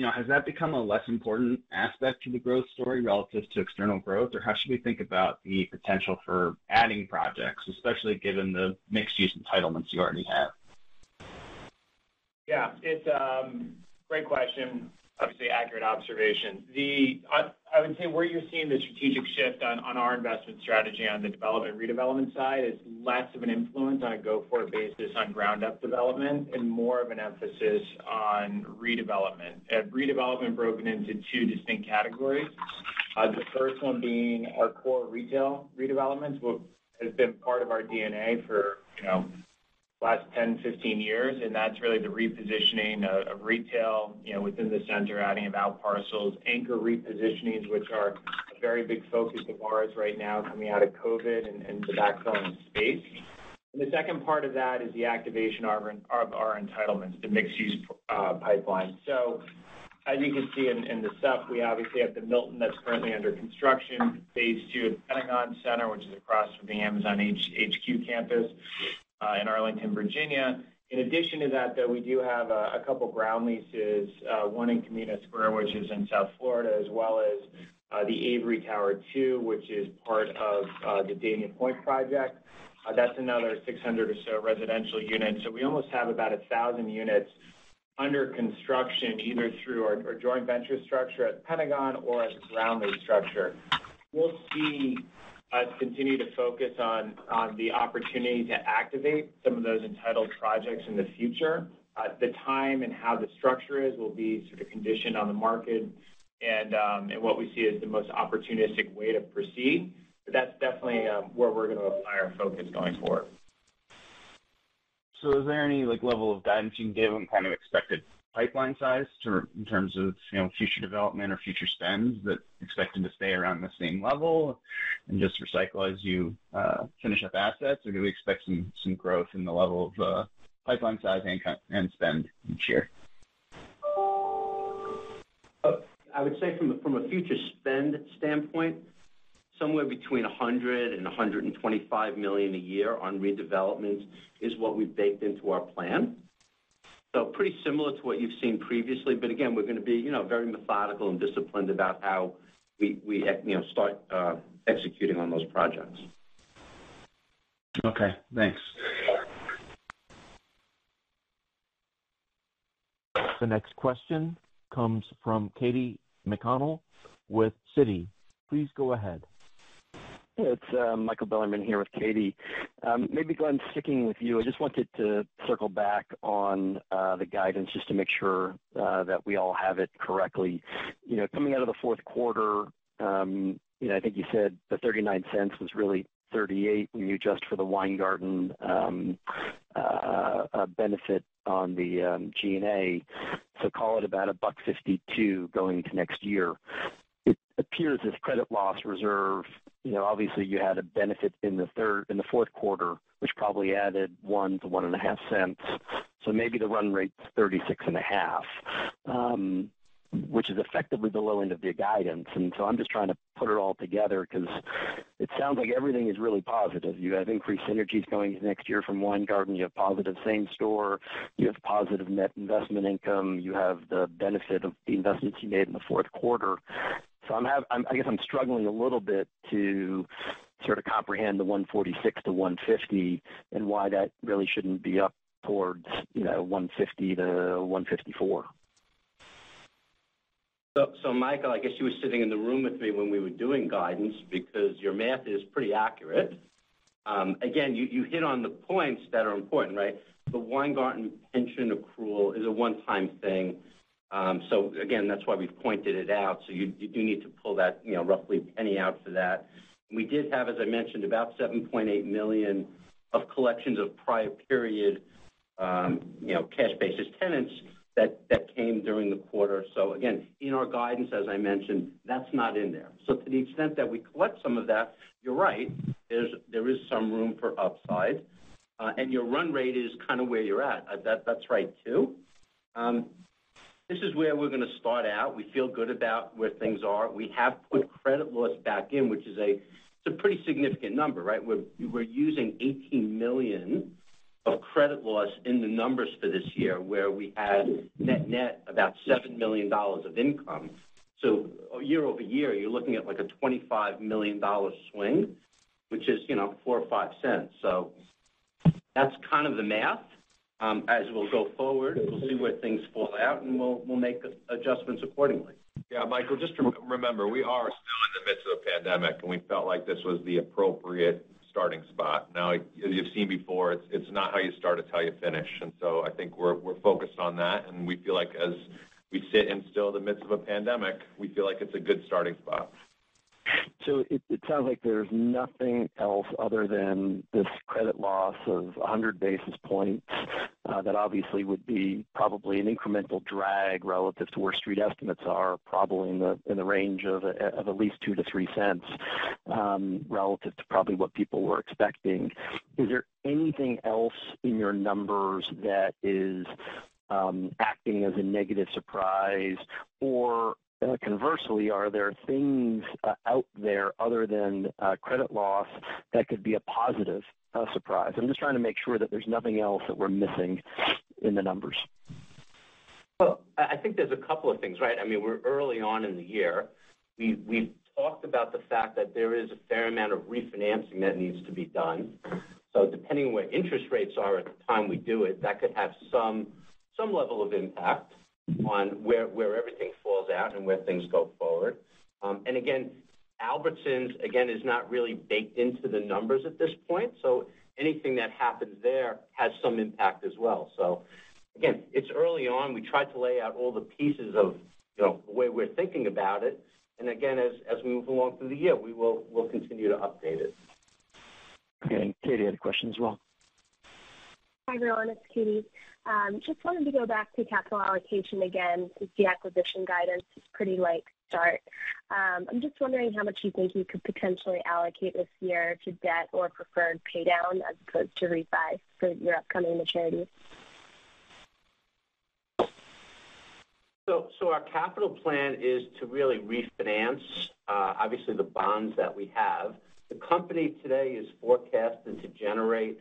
S14: know, has that become a less important aspect to the growth story relative to external growth or how should we think about the potential for adding projects, especially given the mixed-use entitlements you already have?
S5: Yeah. It's a great question. Obviously an accurate observation. I would say where you're seeing the strategic shift on our investment strategy on the development, redevelopment side is less of an influence on a go-forward basis on ground-up development and more of an emphasis on redevelopment. Redevelopment broken into two distinct categories. The first one being our core retail redevelopments, what has been part of our DNA for, you know, last 10, 15 years, and that's really the repositioning of retail, you know, within the center, adding of outparcels, anchor repositionings, which are a very big focus of ours right now coming out of COVID and the backfill in space. The second part of that is the activation of our entitlements, the mixed-use pipeline. As you can see in the deck, we obviously have The Milton that's currently under construction, phase two at the Pentagon Centre, which is across from the Amazon HQ2 campus in Arlington, Virginia. In addition to that, though, we do have a couple ground leases, one in Camino Square, which is in South Florida, as well as the Avery Dania Pointe East, which is part of the Dania Pointe project. That's another 600 or so residential units. We almost have about 1,000 units under construction, either through our joint venture structure at Pentagon Centre or as a ground lease structure. We will continue to focus on the opportunity to activate some of those entitled projects in the future. At t ohe time and how the structure is will be sort of conditioned on the market and what we see as the most opportunistic way to proceed. That's definitely where we're gonna apply our focus going forward.
S14: Is there any, like, level of guidance you can give on kind of expected pipeline size in terms of, you know, future development or future spends that expect them to stay around the same level and just recycle as you finish up assets or do we expect some growth in the level of pipeline size and spend each year?
S5: I would say from a future spend standpoint, somewhere between $100 million and $125 million a year on redevelopments is what we've baked into our plan. Pretty similar to what you've seen previously, but again, we're gonna be, you know, very methodical and disciplined about how we start executing on those projects.
S14: Okay, thanks.
S1: The next question comes from Katy McConnell with Citi. Please go ahead.
S15: It's Michael Bilerman here with Katy McConnell. Maybe, Glenn Cohen, sticking with you, I just wanted to circle back on the guidance just to make sure that we all have it correctly. You know, coming out of the fourth quarter, you know, I think you said the $0.39 was really $0.38 when you adjust for the Weingarten benefit on the G&A. So call it about $1.52 going into next year. It appears as credit loss reserve. You know, obviously you had a benefit in the fourth quarter, which probably added $0.01-$0.015. So maybe the run rate's $0.365, which is effectively the low end of your guidance. I'm just trying to put it all together because it sounds like everything is really positive. You have increased synergies going into next year from Weingarten. You have positive same store. You have positive net investment income. You have the benefit of the investments you made in the fourth quarter. I'm struggling a little bit to sort of comprehend the $1.46-$1.50 and why that really shouldn't be up towards, you know, $1.50-$1.54.
S5: Michael, I guess you were sitting in the room with me when we were doing guidance because your math is pretty accurate. Again, you hit on the points that are important, right? The Weingarten pension accrual is a one-time thing. Again, that's why we've pointed it out. You do need to pull that, you know, roughly a penny out for that. We did have, as I mentioned, about $7.8 million of collections of prior period, you know, cash basis tenants that came during the quarter. Again, in our guidance, as I mentioned, that's not in there. To the extent that we collect some of that, you're right, there's some room for upside. Your run rate is kind of where you're at. That's right too. This is where we're gonna start out. We feel good about where things are. We have put credit loss back in, which is, it's a pretty significant number, right? We're using $18 million of credit loss in the numbers for this year, where we had net net about $7 million of income. Year-over-year, you're looking at, like, a $25 million swing, which is, you know, $0.04 or $0.05. That's kind of the math. As we'll go forward, we'll see where things fall out, and we'll make adjustments accordingly.
S3: Yeah, Michael, just remember, we are still in the midst of a pandemic, and we felt like this was the appropriate starting spot. Now, as you've seen before, it's not how you start, it's how you finish. I think we're focused on that, and we feel like as we sit here still in the midst of a pandemic, we feel like it's a good starting spot.
S15: It sounds like there's nothing else other than this credit loss of 100 basis points that obviously would be probably an incremental drag relative to where street estimates are probably in the range of at least $0.02-$0.03 relative to probably what people were expecting. Is there anything else in your numbers that is acting as a negative surprise or conversely, are there things out there other than credit loss that could be a positive surprise? I'm just trying to make sure that there's nothing else that we're missing in the numbers.
S5: Well, I think there's a couple of things, right? I mean, we're early on in the year. We've talked about the fact that there is a fair amount of refinancing that needs to be done. Depending on where interest rates are at the time we do it, that could have some level of impact on where everything falls out and where things go forward. Again, Albertsons is not really baked into the numbers at this point, so anything that happens there has some impact as well. So again, it's early on. We tried to lay out all the pieces of, you know, the way we're thinking about it. Again, as we move along through the year, we'll continue to update it.
S1: Okay. Katy had a question as well.
S16: Hi, everyone. It's Katy. Just wanted to go back to capital allocation again since the acquisition guidance is pretty light. I'm just wondering how much you think you could potentially allocate this year to debt or preferred pay down as opposed to refi for your upcoming maturities.
S5: Our capital plan is to really refinance obviously the bonds that we have. The company today is forecasted to generate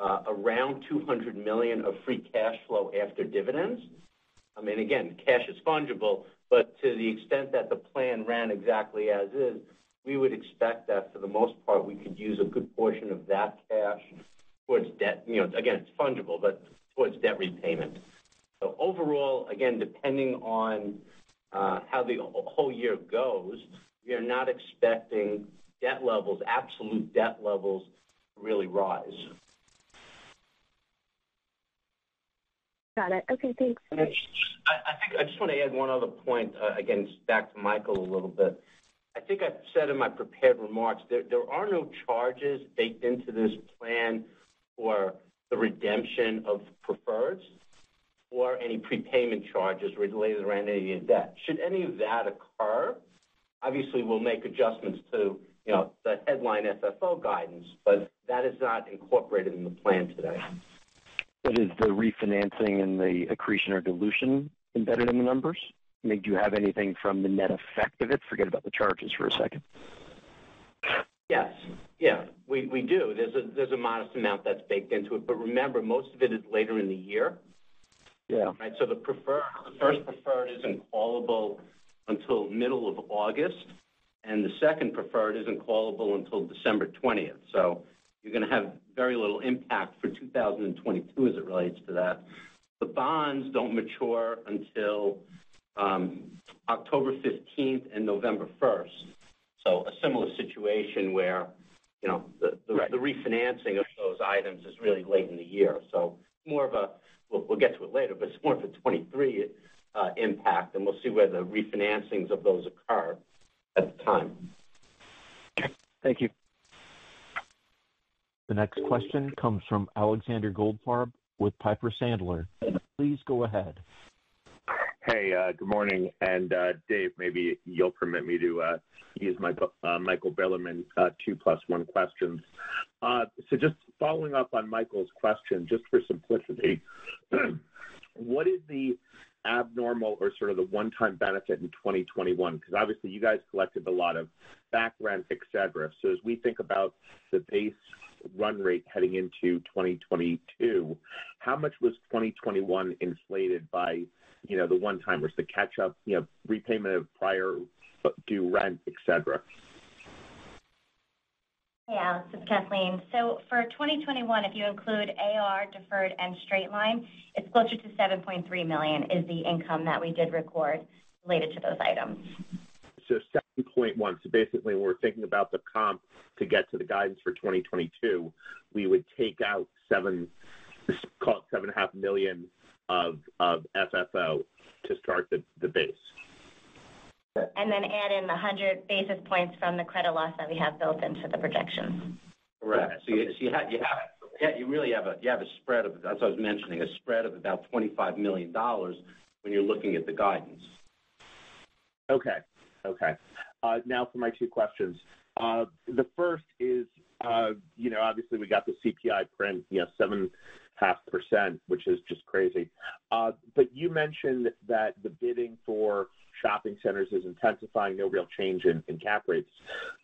S5: around $200 million of free cash flow after dividends. I mean, again, cash is fungible, but to the extent that the plan ran exactly as is, we would expect that for the most part, we could use a good portion of that cash towards debt. You know, again, it's fungible, but towards debt repayment. Overall, again, depending on how the whole year goes, we are not expecting debt levels, absolute debt levels, to really rise.
S16: Got it. Okay, thanks.
S5: I think I just wanna add one other point, again, back to Michael a little bit. I think I've said in my prepared remarks, there are no charges baked into this plan for the redemption of preferreds or any prepayment charges related around any of your debt. Should any of that occur, obviously we'll make adjustments to, you know, the headline FFO guidance, but that is not incorporated in the plan today.
S15: Is the refinancing and the accretion or dilution embedded in the numbers? I mean, do you have anything from the net effect of it? Forget about the charges for a second.
S5: Yes. Yeah, we do. There's a modest amount that's baked into it. Remember, most of it is later in the year. Right. The preferred, the first preferred isn't callable until middle of August, and the second preferred isn't callable until December 20. You're gonna have very little impact for 2022 as it relates to that. The bonds don't mature until October 15th and November 1st. A similar situation where, you know, the refinancing of those items is really late in the year. We'll get to it later, but it's more of a 2023 impact, and we'll see where the refinancings of those occur at the time.
S15: Thank you.
S1: The next question comes from Alexander Goldfarb with Piper Sandler. Please go ahead.
S17: Hey, good morning. Dave, maybe you'll permit me to use my Michael Bilerman 2+1 questions. Just following up on Michael's question, just for simplicity, what is the abnormal or sort of the one-time benefit in 2021? 'Cause obviously you guys collected a lot of back rent, et cetera. As we think about the pace run rate heading into 2022, how much was 2021 inflated by, you know, the one-timers, the catch-up, you know, repayment of prior due rent, et cetera?
S10: This is Kathleen. For 2021, if you include AR, deferred, and straight line, it's closer to $7.3 million is the income that we did record related to those items.
S5: 7.1. Basically, when we're thinking about the comp to get to the guidance for 2022, we would take out seven, let's call it $7.5 million of FFO to start the base.
S10: Add in the 100 basis points from the credit loss that we have built into the projection.
S5: Correct. You really have a spread of about $25 million when you're looking at the guidance. Yeah, that's what I was mentioning.
S17: Okay. Now for my two questions. The first is, you know, obviously we got the CPI print, you know, 7.5%, which is just crazy. But you mentioned that the bidding for shopping centers is intensifying, no real change in cap rates.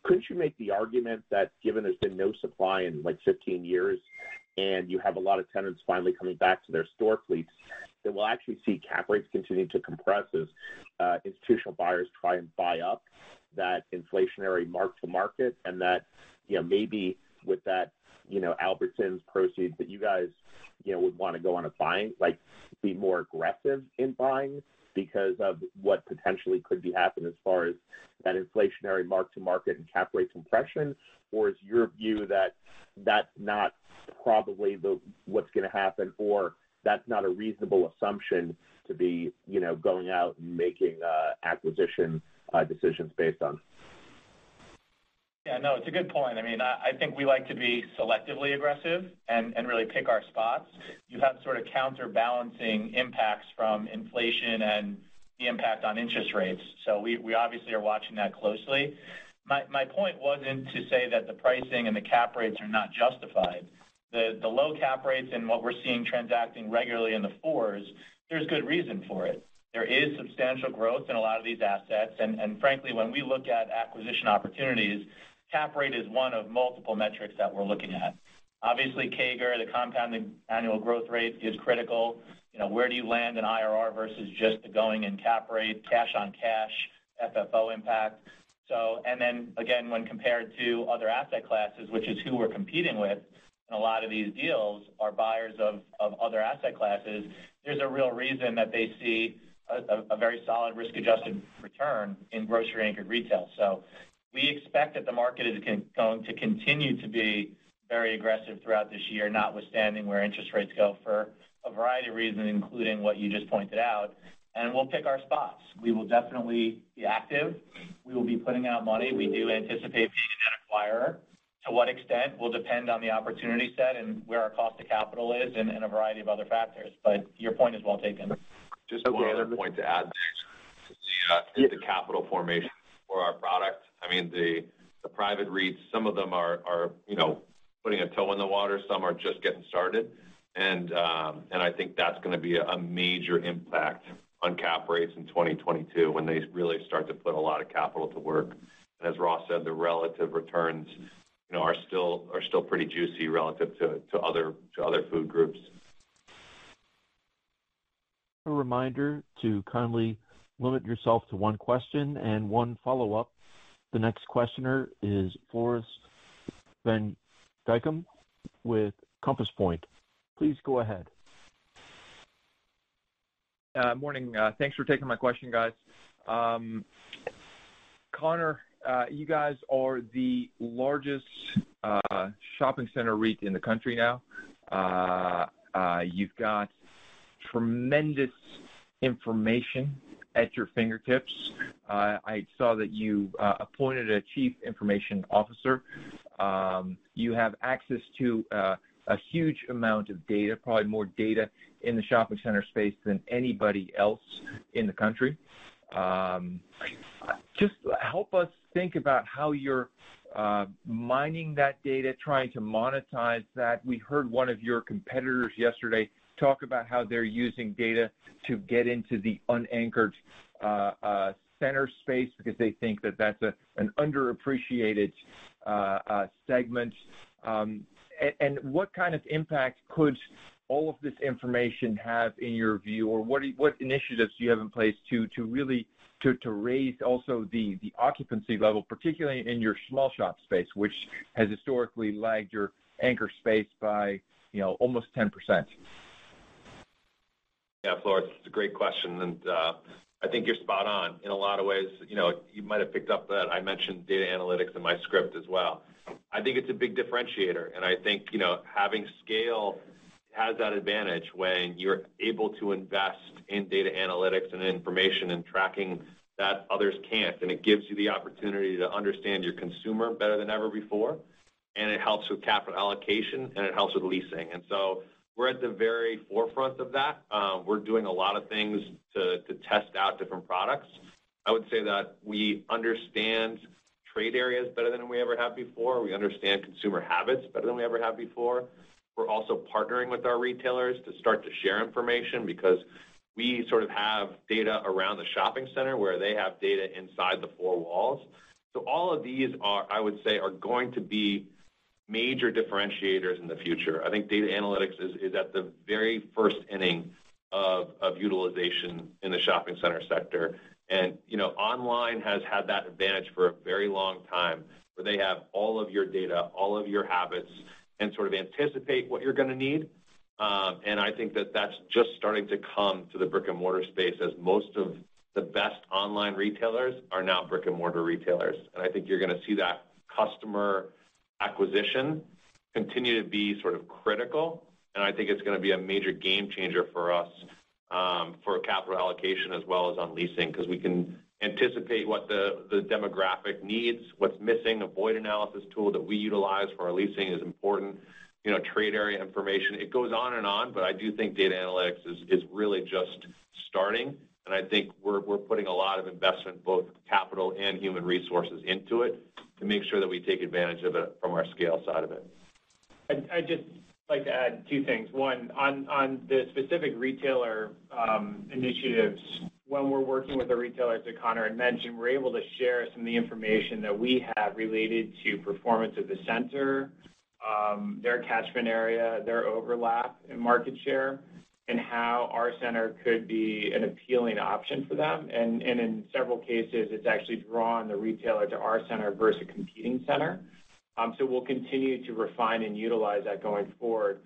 S17: Couldn't you make the argument that given there's been no supply in, like, 15 years, and you have a lot of tenants finally coming back to their store fleets, that we'll actually see cap rates continuing to compress as institutional buyers try and buy up that inflationary mark to market, and that, you know, maybe with that, you know, Albertsons proceeds that you guys, you know, would wanna be more aggressive in buying because of what potentially could be happening as far as that inflationary mark to market and cap rate compression? Is your view that that's not probably what's gonna happen, or that's not a reasonable assumption to be, you know, going out and making acquisition decisions based on?
S5: Yeah, no, it's a good point. I mean, I think we like to be selectively aggressive and really pick our spots. You have sort of counterbalancing impacts from inflation and the impact on interest rates. So we obviously are watching that closely. My point wasn't to say that the pricing and the cap rates are not justified. The low cap rates and what we're seeing transacting regularly in the fours, there's good reason for it. There is substantial growth in a lot of these assets. And frankly, when we look at acquisition opportunities, cap rate is one of multiple metrics that we're looking at. Obviously, CAGR, the compounding annual growth rate is critical. You know, where do you land in IRR versus just the going in cap rate, cash on cash, FFO impact. When compared to other asset classes, which is who we're competing with in a lot of these deals are buyers of other asset classes, there's a real reason that they see a very solid risk-adjusted return in grocery anchored retail. We expect that the market is going to continue to be very aggressive throughout this year, notwithstanding where interest rates go for a variety of reasons, including what you just pointed out, and we'll pick our spots. We will definitely be active. We will be putting out money. We do anticipate being an acquirer. To what extent will depend on the opportunity set and where our cost to capital is and a variety of other factors, but your point is well taken.
S3: Just one other point to add to in the capital formation for our product. I mean, the private REITs, some of them are, you know, putting a toe in the water, some are just getting started. I think that's gonna be a major impact on cap rates in 2022 when they really start to put a lot of capital to work. As Ross said, the relative returns, you know, are still pretty juicy relative to other food groups.
S1: A reminder to kindly limit yourself to one question and one follow-up. The next questioner is Floris van Dijkum with Compass Point. Please go ahead.
S18: Morning. Thanks for taking my question, guys. Conor, you guys are the largest shopping center REIT in the country now. You've got tremendous information at your fingertips. I saw that you appointed a chief information officer. You have access to a huge amount of data, probably more data in the shopping center space than anybody else in the country. Just help us think about how you're mining that data, trying to monetize that. We heard one of your competitors yesterday talk about how they're using data to get into the unanchored center space because they think that that's an underappreciated segment. What kind of impact could all of this information have in your view? What initiatives do you have in place to really raise also the occupancy level, particularly in your small shop space, which has historically lagged your anchor space by, you know, almost 10%?
S3: Yeah, Floris, it's a great question and, I think you're spot on in a lot of ways. You know, you might have picked up that I mentioned data analytics in my script as well. I think it's a big differentiator, and I think, you know, having scale has that advantage when you're able to invest in data analytics and information and tracking that others can't. It gives you the opportunity to understand your consumer better than ever before, and it helps with capital allocation, and it helps with leasing. We're at the very forefront of that. We're doing a lot of things to test out different products. I would say that we understand trade areas better than we ever have before. We understand consumer habits better than we ever have before. We're also partnering with our retailers to start to share information because we sort of have data around the shopping center where they have data inside the four walls. All of these, I would say, are going to be major differentiators in the future. I think data analytics is at the very first inning of utilization in the shopping center sector. You know, online has had that advantage for a very long time, where they have all of your data, all of your habits, and sort of anticipate what you're gonna need. I think that that's just starting to come to the brick-and-mortar space as most of the best online retailers are now brick-and-mortar retailers. I think you're gonna see that customer acquisition continue to be sort of critical, and I think it's gonna be a major game changer for us, for capital allocation as well as on leasing because we can anticipate what the demographic needs, what's missing. A void analysis tool that we utilize for our leasing is important. You know, trade area information. It goes on and on, but I do think data analytics is really just starting. I think we're putting a lot of investment, both capital and human resources into it, to make sure that we take advantage of it from our scale side of it.
S8: I'd just like to add two things. One, on the specific retailer initiatives, when we're working with the retailers that Conor had mentioned, we're able to share some of the information that we have related to performance of the center, their catchment area, their overlap in market share, and how our center could be an appealing option for them. In several cases, it's actually drawn the retailer to our center versus a competing center. We'll continue to refine and utilize that going forward.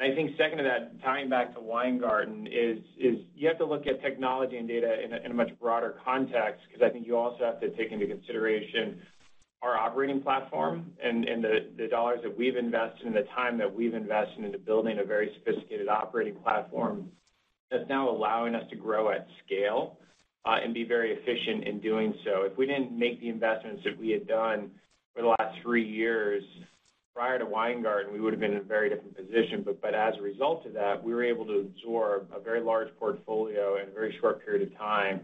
S8: I think second to that, tying back to Weingarten is you have to look at technology and data in a much broader context because I think you also have to take into consideration our operating platform and the dollars that we've invested and the time that we've invested into building a very sophisticated operating platform that's now allowing us to grow at scale and be very efficient in doing so. If we didn't make the investments that we had done for the last three years prior to Weingarten, we would have been in a very different position. As a result of that, we were able to absorb a very large portfolio in a very short period of time,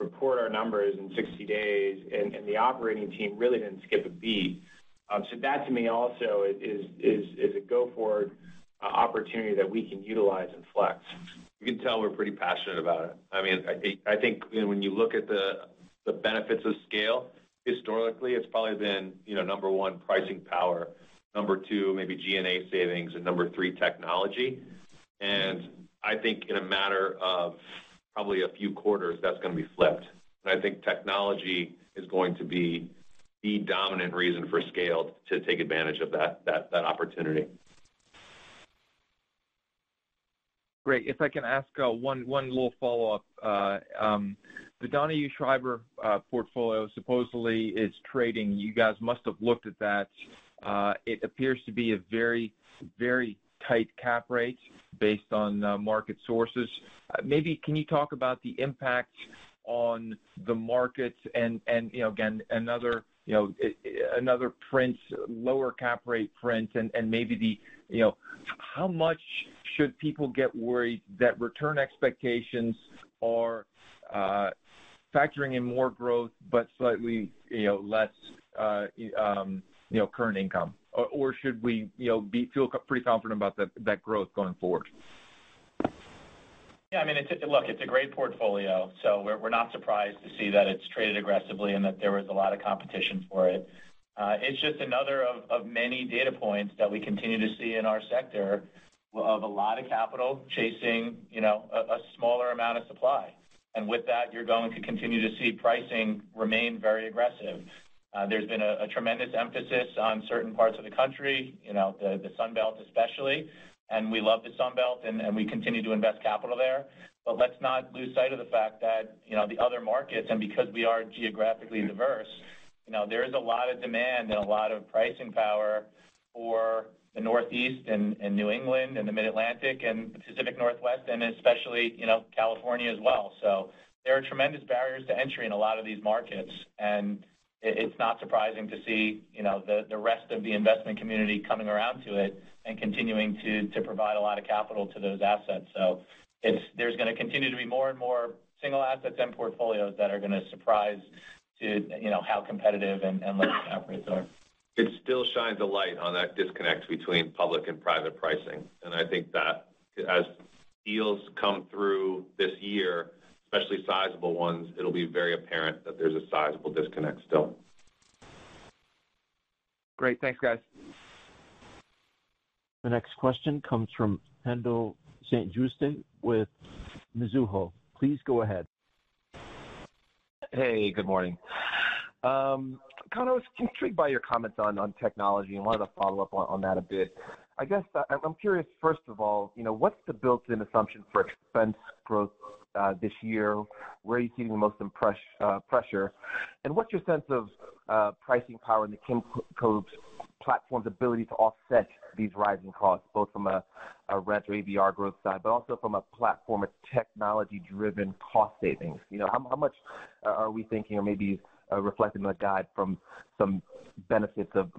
S8: report our numbers in 60 days, and the operating team really didn't skip a beat. That to me also is a go forward opportunity that we can utilize and flex.
S3: You can tell we're pretty passionate about it. I mean, I think when you look at the benefits of scale, historically, it's probably been, you know, number one, pricing power, number two, maybe G&A savings, and number three, technology. I think in a matter of probably a few quarters, that's gonna be flipped. I think technology is going to be the dominant reason for scale to take advantage of that opportunity.
S18: Great. If I can ask, one little follow-up. The Donahue Schriber portfolio supposedly is trading. You guys must have looked at that. It appears to be a very tight cap rate based on the market sources. Maybe can you talk about the impact on the markets and, you know, again, another print, lower cap rate print and maybe the, you know, how much should people get worried that return expectations are factoring in more growth but slightly, you know, less current income? Or should we, you know, feel pretty confident about that growth going forward?
S5: I mean, look, it's a great portfolio, so we're not surprised to see that it's traded aggressively and that there was a lot of competition for it. It's just another of many data points that we continue to see in our sector of a lot of capital chasing, you know, a smaller amount of supply. With that, you're going to continue to see pricing remain very aggressive. There's been a tremendous emphasis on certain parts of the country, you know, the Sun Belt especially. We love the Sun Belt, and we continue to invest capital there. Let's not lose sight of the fact that, you know, the other markets, and because we are geographically diverse, you know, there is a lot of demand and a lot of pricing power for the Northeast and New England and the Mid-Atlantic and Pacific Northwest and especially, you know, California as well. So there are tremendous barriers to entry in a lot of these markets, and it's not surprising to see, you know, the rest of the investment community coming around to it and continuing to provide a lot of capital to those assets. So it's there’s gonna continue to be more and more single assets and portfolios that are gonna surprise to, you know, how competitive and lease rates are.
S3: It still shines a light on that disconnect between public and private pricing. I think that as deals come through this year, especially sizable ones, it'll be very apparent that there's a sizable disconnect still.
S18: Great. Thanks, guys.
S1: The next question comes from Haendel St. Juste with Mizuho. Please go ahead.
S19: Hey, good morning. Conor, I was intrigued by your comments on technology and wanted to follow up on that a bit. I guess, I'm curious, first of all, you know, what's the built-in assumption for expense growth this year? Where are you seeing the most pressure? And what's your sense of pricing power in the Kimco's platform's ability to offset these rising costs, both from a rent or ABR growth side, but also from a platform of technology-driven cost savings? You know, how much are we thinking or maybe reflecting on the guide from some benefits of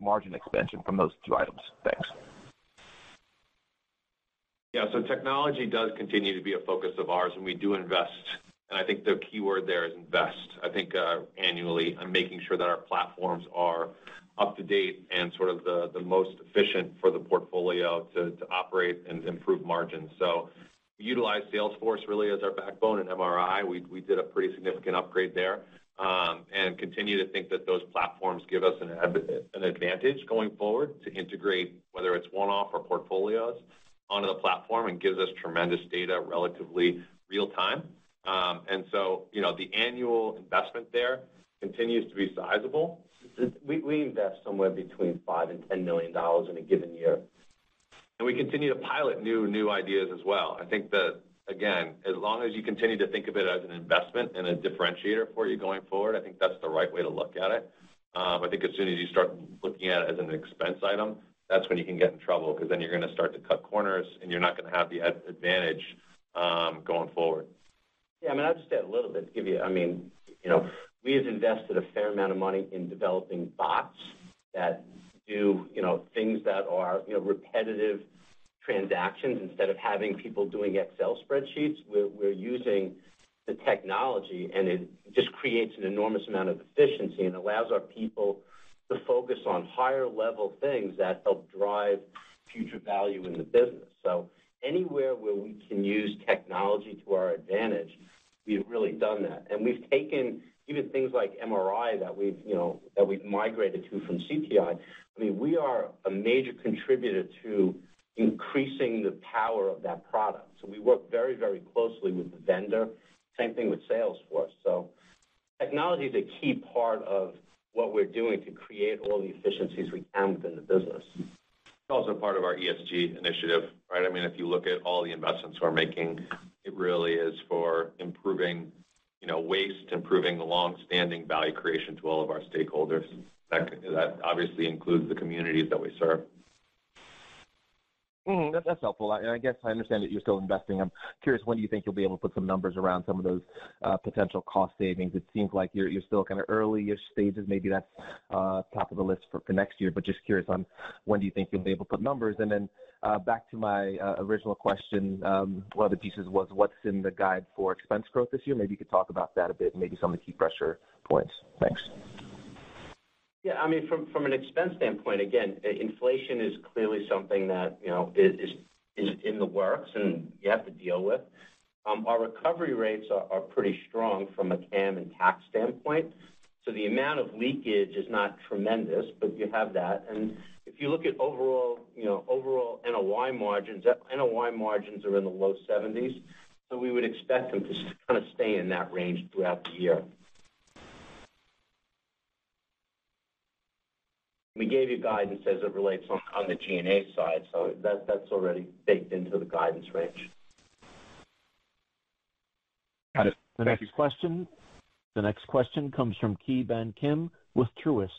S19: margin expansion from those two items? Thanks.
S3: Yeah. Technology does continue to be a focus of ours, and we do invest. I think the keyword there is invest. I think annually, I'm making sure that our platforms are up to-date and sort of the most efficient for the portfolio to operate and improve margins. We utilize Salesforce really as our backbone. In MRI, we did a pretty significant upgrade there, and continue to think that those platforms give us an advantage going forward to integrate, whether it's one-off or portfolios, onto the platform and gives us tremendous data relatively real time. You know, the annual investment there continues to be sizable.
S5: We invest somewhere between $5 million and $10 million in a given year.
S3: We continue to pilot new ideas as well. I think again, as long as you continue to think of it as an investment and a differentiator for you going forward, I think that's the right way to look at it. I think as soon as you start looking at it as an expense item, that's when you can get in trouble because then you're gonna start to cut corners, and you're not gonna have the advantage going forward.
S5: Yeah. I mean, I'll just add a little bit to give you I mean, you know, we have invested a fair amount of money in developing bots that do, you know, things that are, you know, repetitive transactions. Instead of having people doing Excel spreadsheets, we're using the technology, and it just creates an enormous amount of efficiency and allows our people to focus on higher level things that help drive future value in the business. Anywhere where we can use technology to our advantage, we've really done that. We've taken even things like MRI that we've, you know, migrated to from CTI. I mean, we are a major contributor to increasing the power of that product. We work very, very closely with the vendor, same thing with Salesforce. Technology is a key part of what we're doing to create all the efficiencies we can within the business.
S3: It's also part of our ESG initiative, right? I mean, if you look at all the investments we're making, it really is for improving, you know, waste, improving the long-standing value creation to all of our stakeholders. That obviously includes the communities that we serve.
S19: That's helpful. I guess I understand that you're still investing. I'm curious, when do you think you'll be able to put some numbers around some of those potential cost savings? It seems like you're still kinda early-ish stages. Maybe that's top of the list for next year. Just curious on when do you think you'll be able to put numbers? Then back to my original question, one of the pieces was what's in the guide for expense growth this year? Maybe you could talk about that a bit and maybe some of the key pressure points. Thanks.
S5: Yeah. I mean, from an expense standpoint, again, inflation is clearly something that, you know, is in the works and you have to deal with. Our recovery rates are pretty strong from a CAM and tax standpoint. So the amount of leakage is not tremendous, but you have that. If you look at overall, you know, overall NOI margins, NOI margins are in the low 70s, so we would expect them to kind of stay in that range throughout the year. We gave you guidance as it relates on the G&A side, so that's already baked into the guidance range.
S19: Got it. Thank you.
S1: The next question comes from Ki Bin Kim with Truist.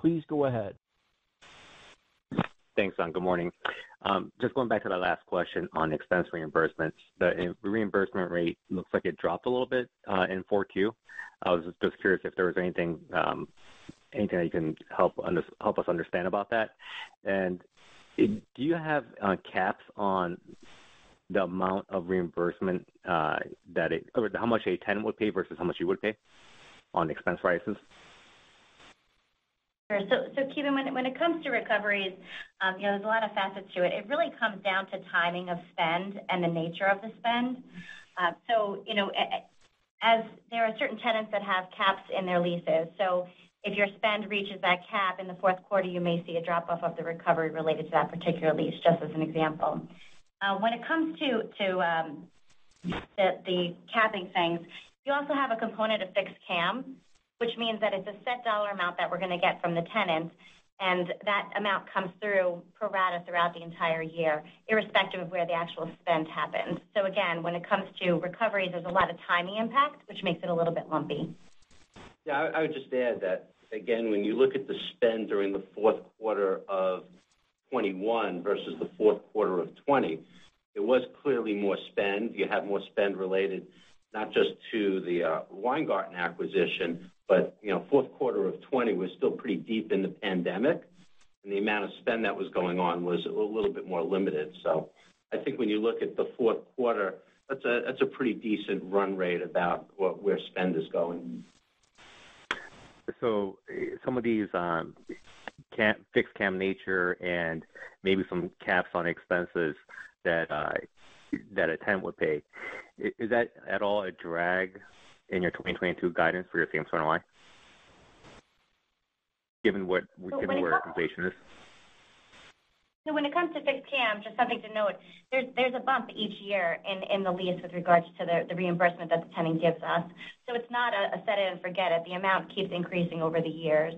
S1: Please go ahead.
S20: Thanks, Don. Good morning. Just going back to that last question on expense reimbursements. The reimbursement rate looks like it dropped a little bit in 4Q. I was just curious if there was anything, Anything that you can help us understand about that. Do you have caps on the amount of reimbursement that or how much a tenant would pay versus how much you would pay on expense rises?
S10: Sure. Kevin, when it comes to recoveries, you know, there's a lot of facets to it. It really comes down to timing of spend and the nature of the spend. You know, as there are certain tenants that have caps in their leases. If your spend reaches that cap in the fourth quarter, you may see a drop-off of the recovery related to that particular lease, just as an example. When it comes to the capping things, you also have a component of fixed CAM, which means that it's a set dollar amount that we're gonna get from the tenants, and that amount comes through pro rata throughout the entire year, irrespective of where the actual spend happens. Again, when it comes to recoveries, there's a lot of timing impact, which makes it a little bit lumpy.
S8: I would just add that, again, when you look at the spend during the fourth quarter of 2021 versus the fourth quarter of 2020, there was clearly more spend. You had more spend related not just to the Weingarten acquisition, but you know, fourth quarter of 2020 was still pretty deep in the pandemic, and the amount of spend that was going on was a little bit more limited. I think when you look at the fourth quarter, that's a pretty decent run rate about where spend is going.
S20: Some of these, CAM, fixed CAM nature and maybe some caps on expenses that a tenant would pay, is that at all a drag in your 2022 guidance for your same store NOI, given what? When it comes to- Given where inflation is?
S10: When it comes to fixed CAM, just something to note, there's a bump each year in the lease with regards to the reimbursement that the tenant gives us. It's not a set it and forget it. The amount keeps increasing over the years.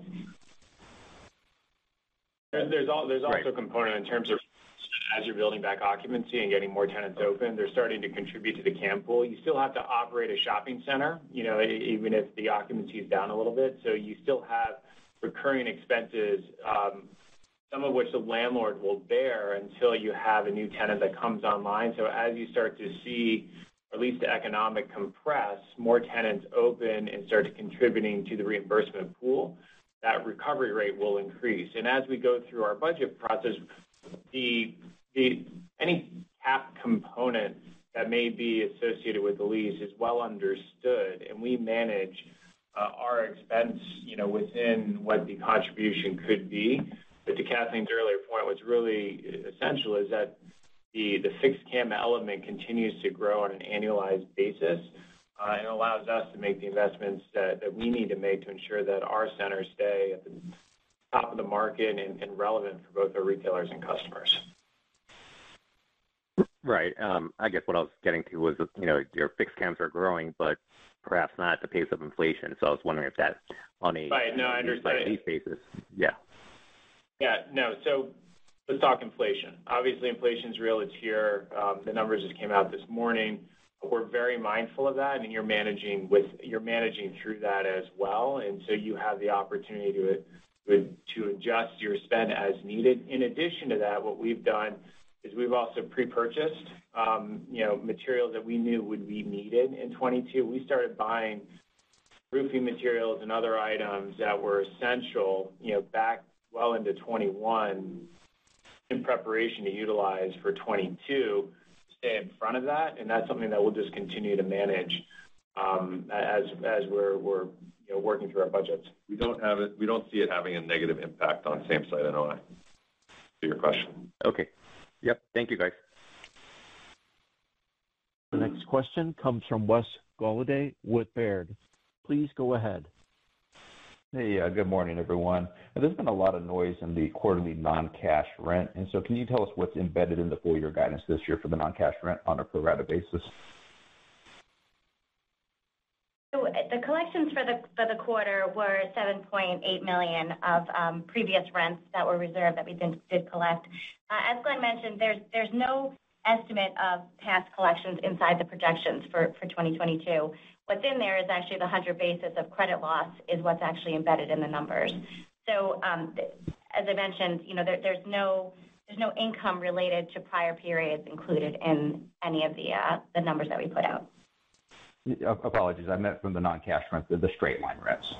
S8: There, there's al-
S20: Right.
S8: There's also a component in terms of as you're building back occupancy and getting more tenants open, they're starting to contribute to the CAM pool. You still have to operate a shopping center, you know, even if the occupancy is down a little bit. You still have recurring expenses, some of which the landlord will bear until you have a new tenant that comes online. As you start to see at least the economic compress, more tenants open and start contributing to the reimbursement pool, that recovery rate will increase. As we go through our budget process, any cap component that may be associated with the lease is well understood, and we manage our expense, you know, within what the contribution could be. To Kathleen's earlier point, what's really essential is that the fixed CAM element continues to grow on an annualized basis, and allows us to make the investments that we need to make to ensure that our centers stay at the top of the market and relevant for both our retailers and customers.
S20: Right. I guess what I was getting to was, you know, your fixed CAMs are growing, but perhaps not at the pace of inflation. I was wondering if that's on a-
S8: Right. No, I understand.
S21: on a lease basis. Yeah.
S8: Yeah. No. Let's talk inflation. Obviously, inflation's real. It's here. The numbers just came out this morning. We're very mindful of that, and you're managing through that as well. You have the opportunity to adjust your spend as needed. In addition to that, what we've done is we've also pre-purchased, you know, material that we knew would be needed in 2022. We started buying roofing materials and other items that were essential, you know, back well into 2021 in preparation to utilize for 2022 to stay in front of that, and that's something that we'll just continue to manage, as we're working through our budgets. We don't see it having a negative impact on same-site NOI to your question.
S20: Okay. Yep. Thank you, guys.
S1: The next question comes from Wes Golladay with Baird. Please go ahead.
S22: Hey. Good morning, everyone. There's been a lot of noise in the quarterly non-cash rent. Can you tell us what's embedded in the full year guidance this year for the non-cash rent on a pro rata basis?
S10: The collections for the quarter were $7.8 million of previous rents that were reserved that we did collect. As Glenn mentioned, there's no estimate of past collections inside the projections for 2022. What's in there is actually the 100 basis points of credit loss that's actually embedded in the numbers. As I mentioned, you know, there's no income related to prior periods included in any of the numbers that we put out.
S22: Apologies. I meant from the non-cash rent, the straight-line rents.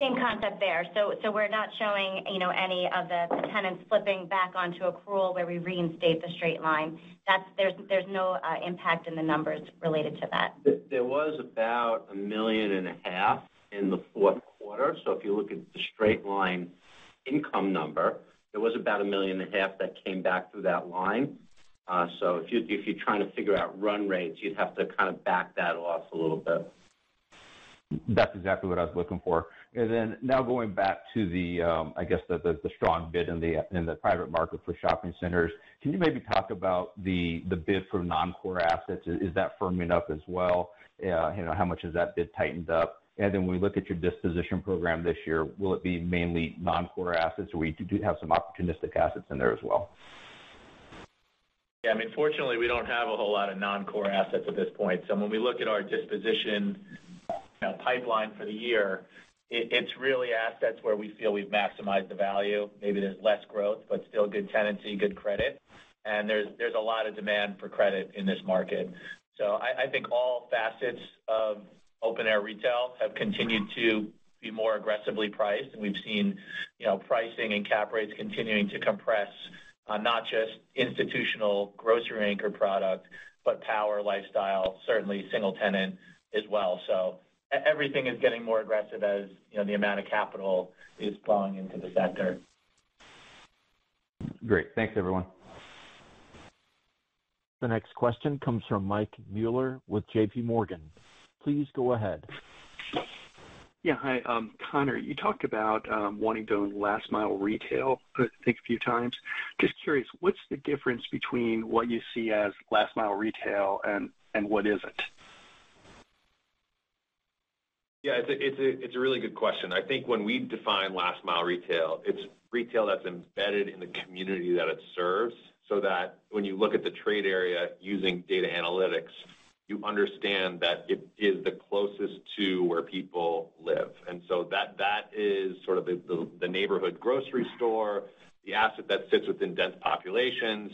S10: Same concept there. We're not showing, you know, any of the tenants flipping back onto accrual where we reinstate the straight line. There's no impact in the numbers related to that.
S5: There was about $1.5 million in the fourth quarter. If you look at the straight line income number, there was about $1.5 million that came back through that line. If you're trying to figure out run rates, you'd have to kind of back that off a little bit.
S22: That's exactly what I was looking for. Now going back to the, I guess the strong bid in the private market for shopping centers, can you maybe talk about the bid for non-core assets? Is that firming up as well? You know, how much has that bid tightened up? When we look at your disposition program this year, will it be mainly non-core assets, or do we have some opportunistic assets in there as well?
S5: Yeah. I mean, fortunately, we don't have a whole lot of non-core assets at this point. When we look at our disposition, you know, pipeline for the year, it's really assets where we feel we've maximized the value. Maybe there's less growth, but still good tenancy, good credit. There's a lot of demand for credit in this market. I think all facets of open-air retail have continued to be more aggressively priced, and we've seen, you know, pricing and cap rates continuing to compress, not just institutional grocery anchor product, but power lifestyle, certainly single tenant as well. Everything is getting more aggressive as, you know, the amount of capital is flowing into the sector.
S22: Great. Thanks, everyone.
S1: The next question comes from Michael Mueller with J.P. Morgan. Please go ahead.
S23: Yeah. Hi. Conor, you talked about wanting to own last mile retail, I think a few times. Just curious, what's the difference between what you see as last mile retail and what isn't?
S3: Yeah. It's a really good question. I think when we define last mile retail, it's retail that's embedded in the community that it serves, so that when you look at the trade area using data analytics, you understand that it is the closest to where people live. That is sort of the neighborhood grocery store, the asset that sits within dense populations,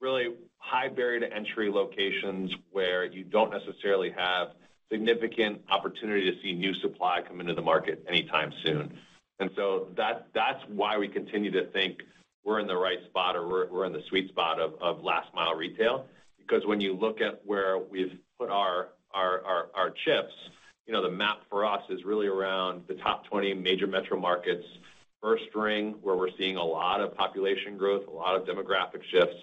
S3: really high barrier to entry locations where you don't necessarily have significant opportunity to see new supply come into the market anytime soon. That's why we continue to think we're in the right spot or we're in the sweet spot of last mile retail. Because when you look at where we've put our chips, you know, the map for us is really around the top 20 major metro markets, first ring, where we're seeing a lot of population growth, a lot of demographic shifts,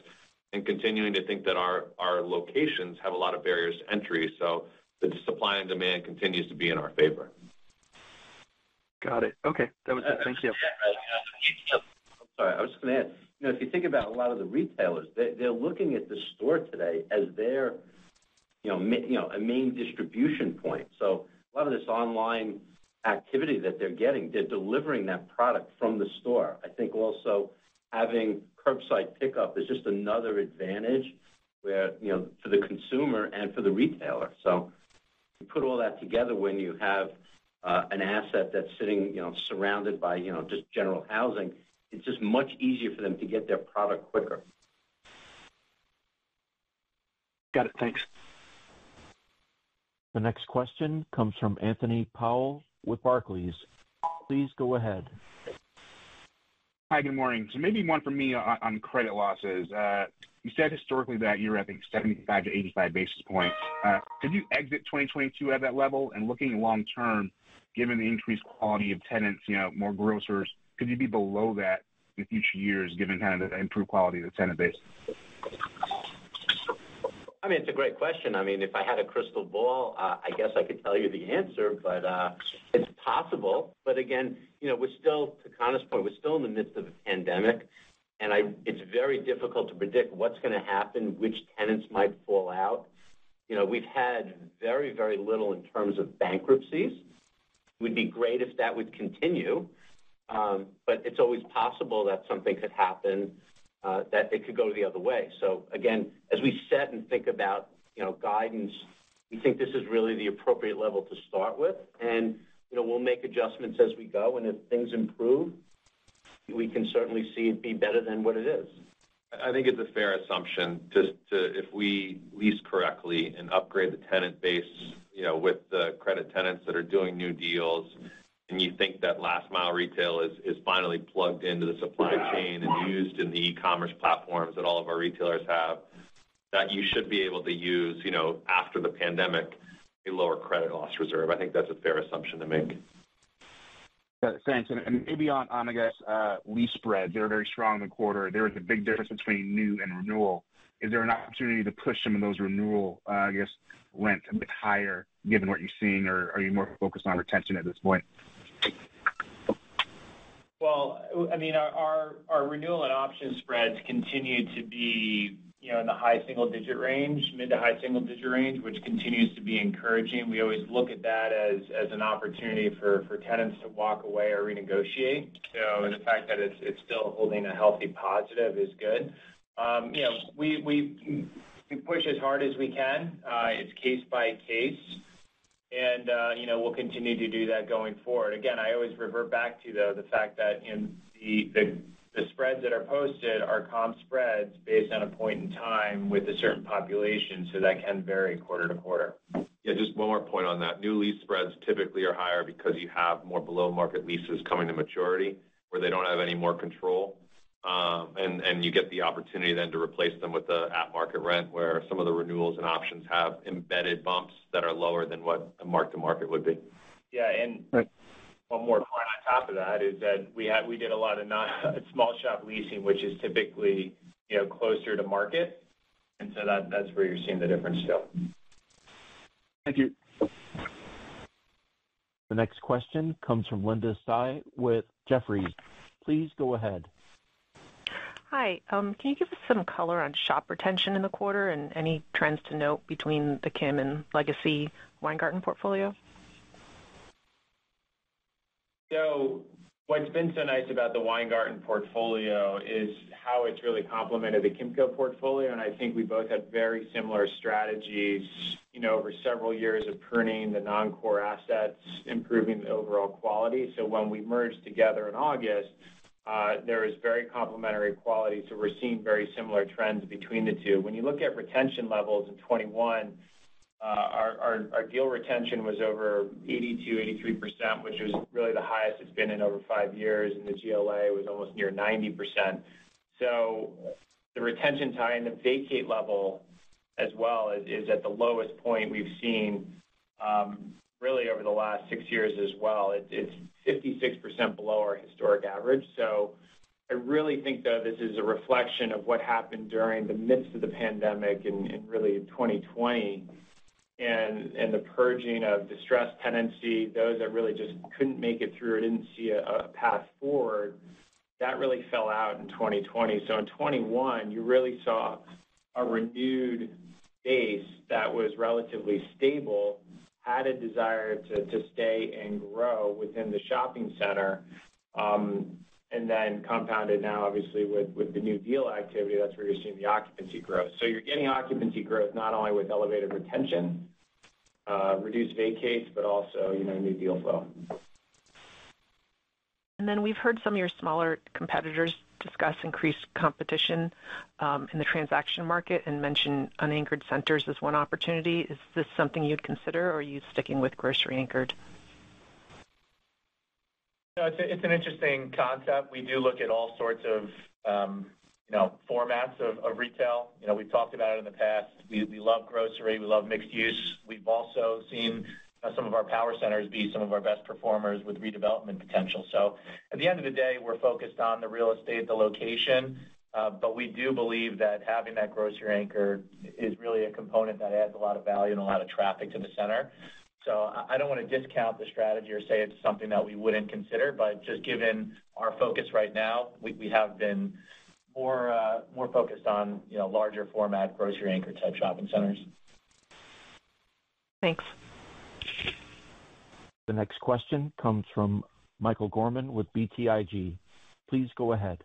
S3: and continuing to think that our locations have a lot of barriers to entry. The supply and demand continues to be in our favor.
S23: Got it. Okay. That was it. Thank you.
S5: I'm sorry. I was just gonna add. You know, if you think about a lot of the retailers, they're looking at the store today as their, you know, a main distribution point. So a lot of this online activity that they're getting, they're delivering that product from the store. I think also having curbside pickup is just another advantage where, you know, for the consumer and for the retailer. So you put all that together when you have an asset that's sitting, you know, surrounded by, you know, just general housing, it's just much easier for them to get their product quicker.
S23: Got it. Thanks.
S1: The next question comes from Anthony Powell with Barclays. Please go ahead.
S24: Hi. Good morning. Maybe one for me on credit losses. You said historically that you're at, I think, 75-85 basis points. Could you exit 2022 at that level? Looking long term, given the increased quality of tenants, you know, more grocers, could you be below that in future years given kind of the improved quality of the tenant base?
S5: I mean, it's a great question. I mean, if I had a crystal ball, I guess I could tell you the answer, but it's possible. Again, you know, we're still to Conor's point, we're still in the midst of a pandemic, and it's very difficult to predict what's gonna happen, which tenants might fall out. You know, we've had very, very little in terms of bankruptcies. Would be great if that would continue, but it's always possible that something could happen, that it could go the other way. Again, as we sit and think about, you know, guidance, we think this is really the appropriate level to start with. You know, we'll make adjustments as we go, and if things improve, we can certainly see it be better than what it is.
S3: I think it's a fair assumption if we lease correctly and upgrade the tenant base, you know, with the credit tenants that are doing new deals, and you think that last mile retail is finally plugged into the supply chain used in the e-commerce platforms that all of our retailers have, that you should be able to use, you know, after the pandemic, a lower credit loss reserve. I think that's a fair assumption to make.
S24: Got it. Thanks. Maybe on, I guess, lease spreads. They were very strong in the quarter. There was a big difference between new and renewal. Is there an opportunity to push some of those renewal, I guess, rent a bit higher given what you're seeing or are you more focused on retention at this point?
S5: Well, I mean, our renewal and option spreads continue to be, you know, in the high single digit range, mid to high single digit range, which continues to be encouraging. We always look at that as an opportunity for tenants to walk away or renegotiate. The fact that it's still holding a healthy positive is good. You know, we push as hard as we can. It's case by case. We'll continue to do that going forward. Again, I always revert back to, though, the fact that the spreads that are posted are comp spreads based on a point in time with a certain population, so that can vary quarter to quarter.
S3: Yeah, just one more point on that. New lease spreads typically are higher because you have more below market leases coming to maturity where they don't have any more control. You get the opportunity then to replace them with the at market rent, where some of the renewals and options have embedded bumps that are lower than what a mark to market would be.
S5: Yeah. One more point on top of that is that we did a lot of not small shop leasing, which is typically, you know, closer to market. So that's where you're seeing the difference still.
S24: Thank you.
S1: The next question comes from Linda Tsai with Jefferies. Please go ahead.
S25: Hi. Can you give us some color on shop retention in the quarter and any trends to note between the Kimco and Legacy Weingarten portfolio?
S8: What's been so nice about the Weingarten portfolio is how it's really complemented the Kimco portfolio, and I think we both had very similar strategies, you know, over several years of pruning the non-core assets, improving the overall quality. When we merged together in August. There is very complementary quality, so we're seeing very similar trends between the two. When you look at retention levels in 2021, our deal retention was over 82%-83%, which was really the highest it's been in over five years, and the GLA was almost near 90%. The retention time and vacate level as well is at the lowest point we've seen really over the last six years as well. It's 56% below our historic average. I really think that this is a reflection of what happened during the midst of the pandemic in really 2020 and the purging of distressed tenancy, those that really just couldn't make it through or didn't see a path forward, that really fell out in 2020. In 2021, you really saw a renewed base that was relatively stable, had a desire to stay and grow within the shopping center, and then compounded now obviously with the new deal activity, that's where you're seeing the occupancy growth. You're getting occupancy growth not only with elevated retention, reduced vacates, but also, you know, new deals as well.
S25: We've heard some of your smaller competitors discuss increased competition in the transaction market and mention unanchored centers as one opportunity. Is this something you'd consider, or are you sticking with grocery-anchored?
S8: No, it's an interesting concept. We do look at all sorts of, you know, formats of retail. You know, we've talked about it in the past. We love grocery, we love mixed use. We've also seen, you know, some of our power centers be some of our best performers with redevelopment potential. At the end of the day, we're focused on the real estate, the location, but we do believe that having that grocery anchor is really a component that adds a lot of value and a lot of traffic to the center. I don't want to discount the strategy or say it's something that we wouldn't consider, but just given our focus right now, we have been more focused on, you know, larger format, grocery anchor type shopping centers.
S25: Thanks.
S1: The next question comes from Michael Gorman with BTIG. Please go ahead.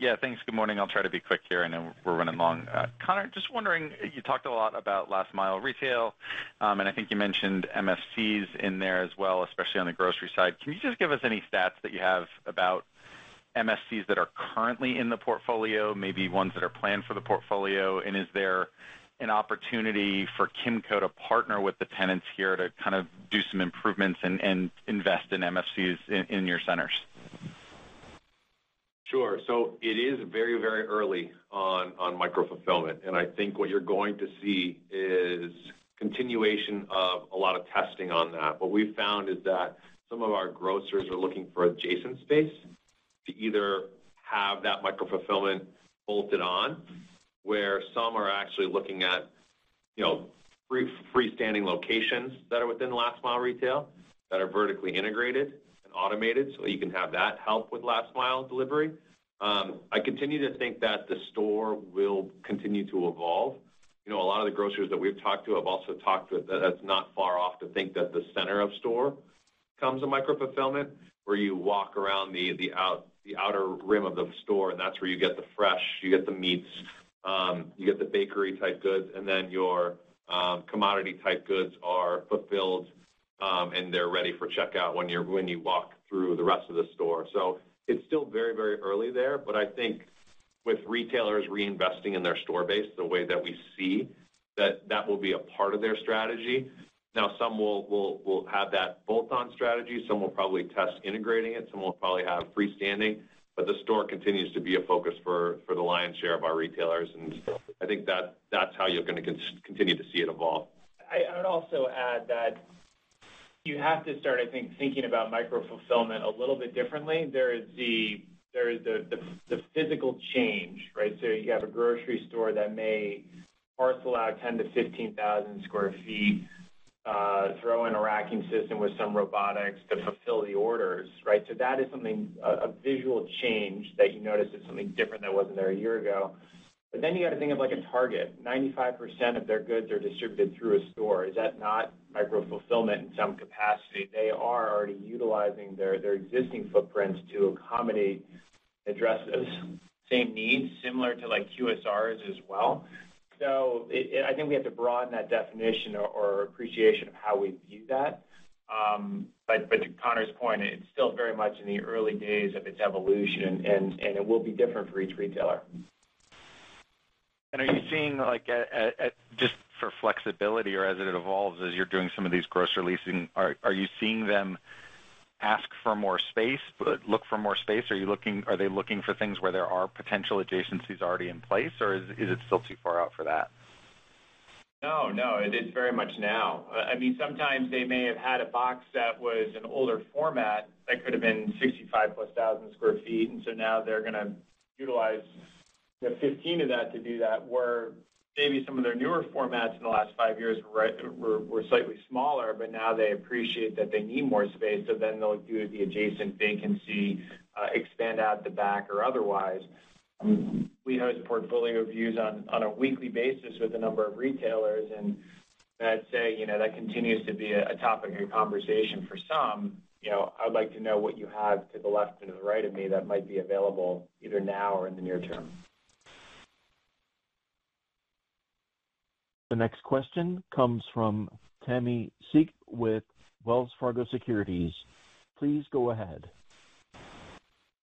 S26: Yeah, thanks. Good morning. I'll try to be quick here. I know we're running long. Conor, just wondering, you talked a lot about last mile retail, and I think you mentioned MFCs in there as well, especially on the grocery side. Can you just give us any stats that you have about MFCs that are currently in the portfolio, maybe ones that are planned for the portfolio and is there an opportunity for Kimco to partner with the tenants here to kind of do some improvements and invest in MFCs in your centers?
S3: Sure. It is very, very early on micro fulfillment, and I think what you're going to see is continuation of a lot of testing on that. What we've found is that some of our grocers are looking for adjacent space to either have that micro fulfillment bolted on, where some are actually looking at, you know, free, freestanding locations that are within last mile retail that are vertically integrated and automated, so you can have that help with last mile delivery. I continue to think that the store will continue to evolve. You know, a lot of the grocers that we've talked to have also talked about that's not far off to think that the center of store comes with micro fulfillment, where you walk around the outer rim of the store, and that's where you get the fresh, you get the meats, you get the bakery type goods, and then your commodity type goods are fulfilled, and they're ready for checkout when you walk through the rest of the store. It's still very, very early there. I think with retailers reinvesting in their store base the way that we see, that that will be a part of their strategy. Now, some will have that bolt-on strategy. Some will probably test integrating it. Some will probably have freestanding. The store continues to be a focus for the lion's share of our retailers. I think that's how you're gonna continue to see it evolve.
S8: I'd also add that you have to start, I think, thinking about micro fulfillment a little bit differently. There is the physical change, right? You have a grocery store that may parcel out 10,000-15,000 sq ft, throw in a racking system with some robotics to fulfill the orders, right? That is something, a visual change that you notice is something different that wasn't there a year ago. You got to think of, like, a Target. 95% of their goods are distributed through a store. Is that not micro fulfillment in some capacity? They are already utilizing their existing footprints to accommodate addresses, same needs, similar to, like, QSRs as well. I think we have to broaden that definition or appreciation of how we view that. To Conor's point, it's still very much in the early days of its evolution and it will be different for each retailer.
S26: Are you seeing, like, just for flexibility or as it evolves, as you're doing some of these grocery leasing, are you seeing them ask for more space, look for more space? Are they looking for things where there are potential adjacencies already in place, or is it still too far out for that?
S8: No, no, it is very much now. I mean, sometimes they may have had a box that was an older format that could have been 65,000+ sq ft, and so now they're gonna utilize the 15 of that to do that, where maybe some of their newer formats in the last five years were slightly smaller, but now they appreciate that they need more space. They'll do the adjacent vacancy, expand out the back or otherwise. We host portfolio reviews on a weekly basis with a number of retailers, and I'd say, you know, that continues to be a topic of conversation for some. You know, I'd like to know what you have to the left and to the right of me that might be available either now or in the near term.
S1: The next question comes from Tammy Siek with Wells Fargo Securities. Please go ahead.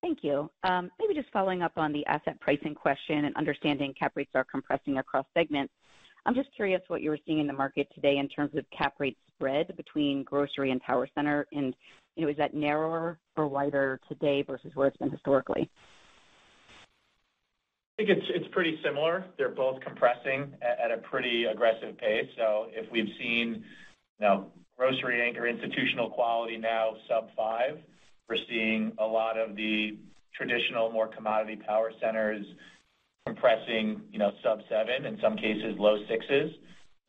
S27: Thank you. Maybe just following up on the asset pricing question and understanding cap rates are compressing across segments. I'm just curious what you're seeing in the market today in terms of cap rate spread between grocery and power center. You know, is that narrower or wider today versus where it's been historically?
S8: I think it's pretty similar. They're both compressing at a pretty aggressive pace. If we've seen, you know, grocery anchor institutional quality now sub-5, we're seeing a lot of the traditional, more commodity power centers compressing, you know, sub-7, in some cases low 6s.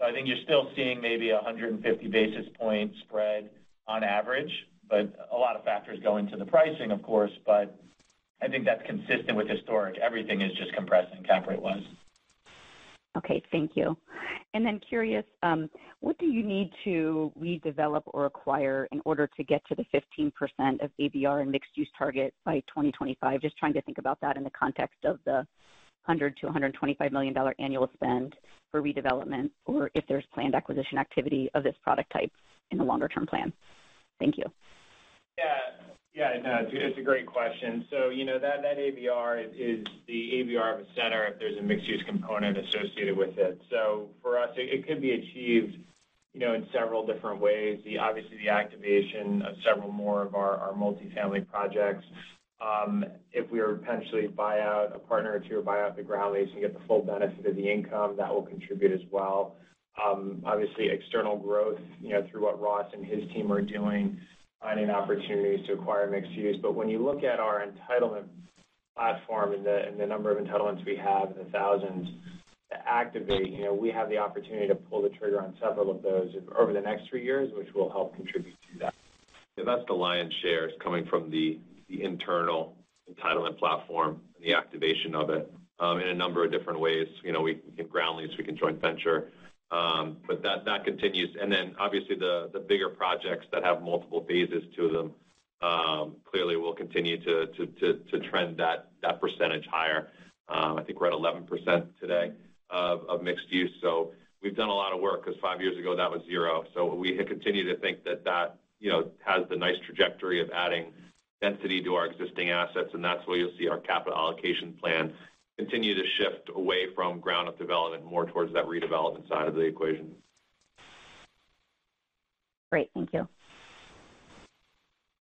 S8: I think you're still seeing maybe 150 basis point spread on average. A lot of factors go into the pricing, of course, but I think that's consistent with historic. Everything is just compressing cap rate-wise.
S27: Okay, thank you. Curious, what do you need to redevelop or acquire in order to get to the 15% of ABR and mixed-use target by 2025? Just trying to think about that in the context of the $100 million-$125 million annual spend for redevelopment or if there's planned acquisition activity of this product type in the longer term plan. Thank you.
S8: Yeah. Yeah, no, it's a great question. You know, that ABR is the ABR of a center if there's a mixed-use component associated with it. For us, it could be achieved, you know, in several different ways. Obviously, the activation of several more of our multi-family projects. If we were to potentially buy out a partner to buy out the ground lease and get the full benefit of the income, that will contribute as well. Obviously external growth, you know, through what Ross and his team are doing, finding opportunities to acquire mixed-use. When you look at our entitlement platform and the number of entitlements we have in the thousands to activate, you know, we have the opportunity to pull the trigger on several of those over the next three years, which will help contribute to that.
S3: Yeah, that's the lion's share is coming from the internal entitlement platform and the activation of it in a number of different ways. You know, we can ground lease, we can joint venture, but that continues. Obviously the bigger projects that have multiple phases to them clearly will continue to trend that percentage higher. I think we're at 11% today of mixed use. We've done a lot of work because five years ago, that was zero. We continue to think that you know has the nice trajectory of adding density to our existing assets, and that's where you'll see our capital allocation plan continue to shift away from ground up development, more towards that redevelopment side of the equation.
S27: Great. Thank you.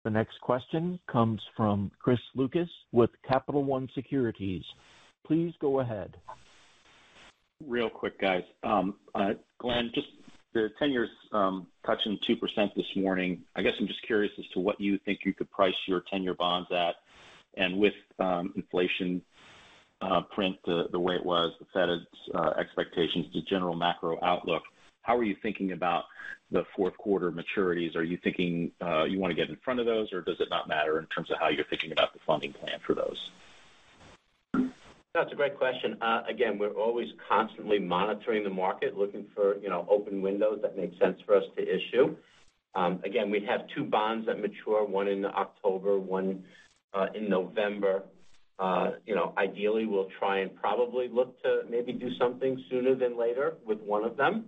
S1: The next question comes from Chris Lucas with Capital One Securities. Please go ahead.
S28: Real quick, guys. Glenn, just the 10-year touching 2% this morning. I guess I'm just curious as to what you think you could price your 10-year bonds at. With inflation print, the way it was, the Fed's expectations, the general macro outlook, how are you thinking about the fourth quarter maturities? Are you thinking you wanna get in front of those, or does it not matter in terms of how you're thinking about the funding plan for those?
S29: That's a great question. Again, we're always constantly monitoring the market, looking for, you know, open windows that make sense for us to issue. Again, we have two bonds that mature, one in October, one in November. You know, ideally, we'll try and probably look to maybe do something sooner than later with one of them.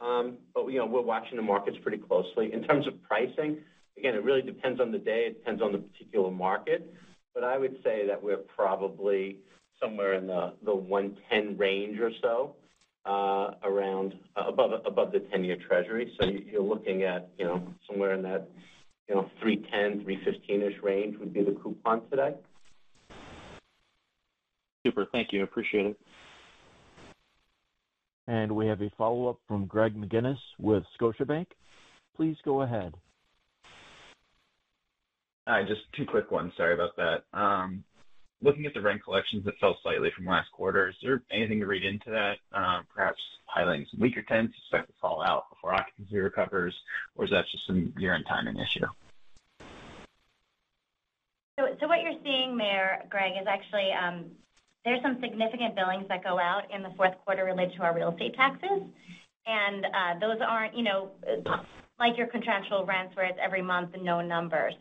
S29: But, you know, we're watching the markets pretty closely.
S8: In terms of pricing, again, it really depends on the day, it depends on the particular market. But I would say that we're probably somewhere in the 110 range or so, around above the 10-year Treasury. So you're looking at, you know, somewhere in that, you know, 3.10-3.15-ish range would be the coupon today.
S28: Super. Thank you. Appreciate it.
S1: We have a follow-up from Greg McGinniss with Scotiabank. Please go ahead.
S14: Hi, just two quick ones. Sorry about that. Looking at the rent collections that fell slightly from last quarter, is there anything to read into that, perhaps highlighting some weaker tenants expect to fall out before occupancy recovers, or is that just some year-end timing issue?
S10: What you're seeing there, Greg, is actually there's some significant billings that go out in the fourth quarter related to our real estate taxes. Those aren't, you know, like your contractual rents, where it's every month and known numbers.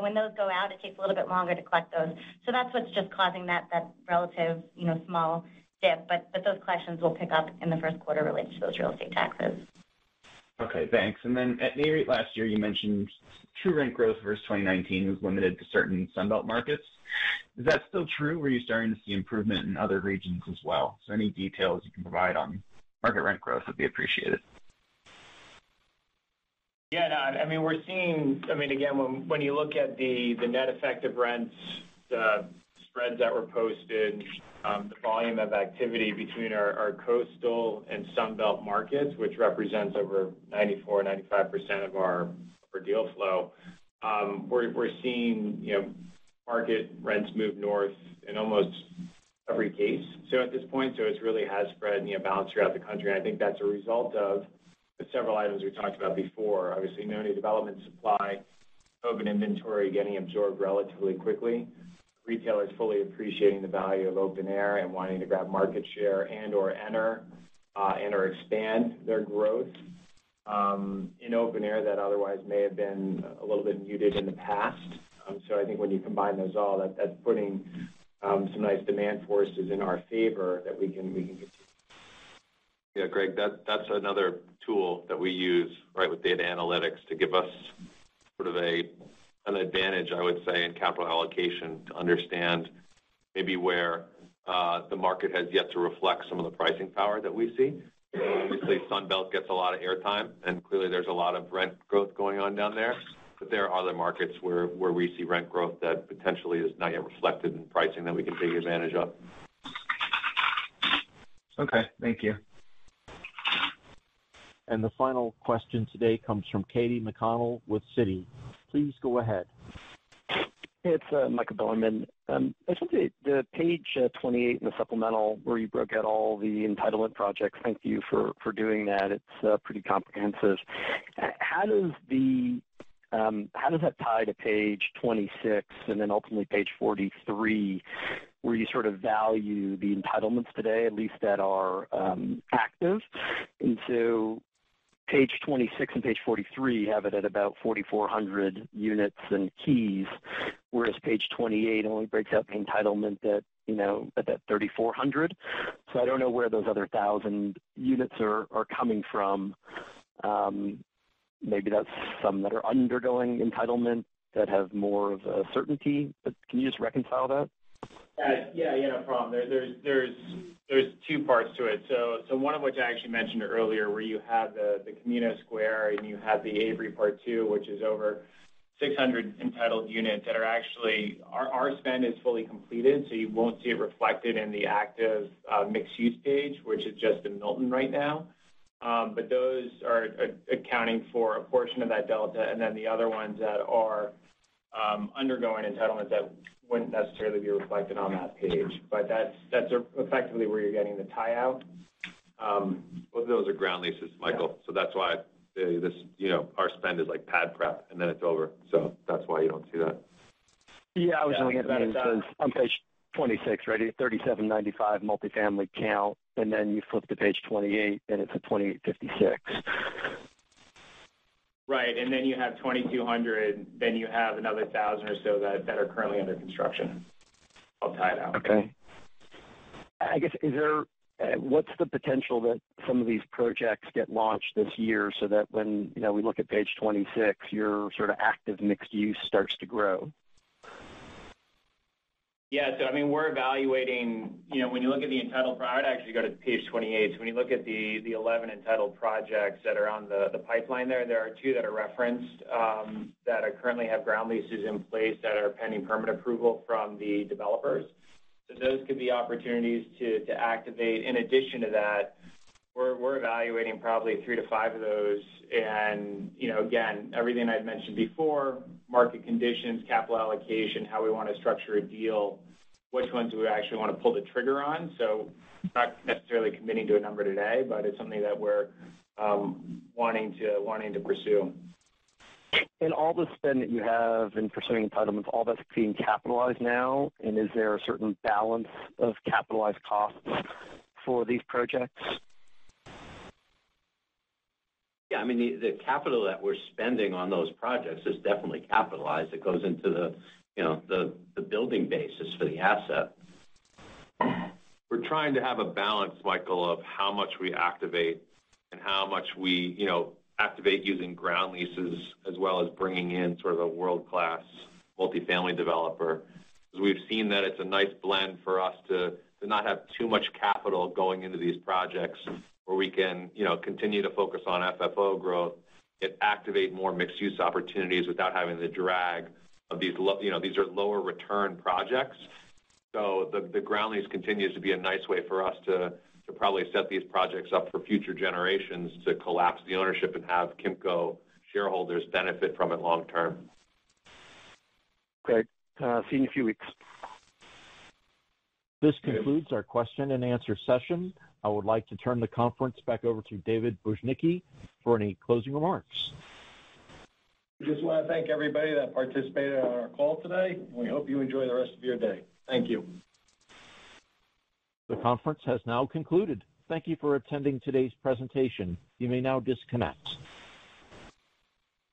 S10: When those go out, it takes a little bit longer to collect those. That's what's just causing that relative, you know, small dip, but those collections will pick up in the first quarter related to those real estate taxes.
S14: Okay, thanks. At NAREIT last year, you mentioned true rent growth versus 2019 was limited to certain Sun Belt markets. Is that still true, or are you starting to see improvement in other regions as well? Any details you can provide on market rent growth would be appreciated.
S8: Yeah, no, I mean, we're seeing. I mean, again, when you look at the net effect of rents, the spreads that were posted, the volume of activity between our coastal and Sun Belt markets, which represents over 94%-95% of our deal flow, we're seeing, you know, market rents move north in almost every case. So at this point, it's really spread and balanced throughout the country. I think that's a result of the several items we talked about before. Obviously, no new development supply, COVID inventory getting absorbed relatively quickly, retailers fully appreciating the value of open-air and wanting to grab market share and/or enter and/or expand their growth in open-air that otherwise may have been a little bit muted in the past. I think when you combine those all, that's putting some nice demand forces in our favor that we can get.
S3: Yeah, Greg, that's another tool that we use, right, with data analytics to give us sort of an advantage, I would say, in capital allocation to understand maybe where the market has yet to reflect some of the pricing power that we see. Obviously, Sunbelt gets a lot of airtime, and clearly there's a lot of rent growth going on down there. There are other markets where we see rent growth that potentially is not yet reflected in pricing that we can take advantage of.
S14: Okay. Thank you.
S1: The final question today comes from Katy McConnell with Citi. Please go ahead.
S15: It's Michael Bilerman. I just looked at page 28 in the supplemental where you broke out all the entitlement projects. Thank you for doing that. It's pretty comprehensive. How does that tie to Page 26 and then ultimately Page 43, where you sort of value the entitlements today, at least that are active. Page 26 and Page 43 have it at about 4,400 units and keys, whereas Page 28 only breaks out the entitlement that, you know, at that 3,400. So I don't know where those other 1,000 units are coming from. Maybe that's some that are undergoing entitlement that have more of a certainty, but can you just reconcile that?
S8: Yeah, no problem. There's two parts to it. One of which I actually mentioned earlier, where you have the Camino Square and you have the Avery Dania Pointe East, which is over 600 entitled units that are actually our spend is fully completed, so you won't see it reflected in the active mixed use page, which is just in The Milton right now. Those are accounting for a portion of that delta, and then the other ones that are undergoing entitlements that wouldn't necessarily be reflected on that page. That's effectively where you're getting the tie out.
S3: Those are ground leases, Michael. That's why this, you know, our spend is like pad prep, and then it's over. That's why you don't see that.
S15: Yeah, I was looking at that and says on Page 26, right at 3,795 multifamily count, and then you flip to Page 28 and it's a 2,856.
S8: Right. You have 2,200, then you have another 1,000 or so that are currently under construction. All tied out.
S15: Okay. I guess, what's the potential that some of these projects get launched this year so that when, you know, we look at Page 26, your sort of active mixed use starts to grow?
S8: Yeah. I mean, we're evaluating, you know, when you look at... I'd actually go to Page 28. When you look at the 11 entitled projects that are on the pipeline there are two that are referenced that are currently have ground leases in place that are pending permanent approval from the developers. Those could be opportunities to activate. In addition to that, we're evaluating probably three-five of those. You know, again, everything I'd mentioned before, market conditions, capital allocation, how we wanna structure a deal, which ones we actually wanna pull the trigger on. Not necessarily committing to a number today, but it's something that we're wanting to pursue.
S15: All the spend that you have in pursuing entitlements, all that's being capitalized now? Is there a certain balance of capitalized costs for these projects?
S8: Yeah. I mean, the capital that we're spending on those projects is definitely capitalized. It goes into the, you know, the building basis for the asset.
S3: We're trying to have a balance, Michael, of how much we activate and how much we, you know, activate using ground leases as well as bringing in sort of a world-class multifamily developer. We've seen that it's a nice blend for us to not have too much capital going into these projects where we can, you know, continue to focus on FFO growth, yet activate more mixed use opportunities without having the drag of these, you know, lower return projects. The ground lease continues to be a nice way for us to probably set these projects up for future generations to collapse the ownership and have Kimco shareholders benefit from it long term.
S15: Great. See you in a few weeks.
S1: This concludes our question and answer session. I would like to turn the conference back over to David Bujnicki for any closing remarks.
S2: Just wanna thank everybody that participated on our call today, and we hope you enjoy the rest of your day. Thank you.
S1: The conference has now concluded. Thank you for attending today's presentation. You may now disconnect.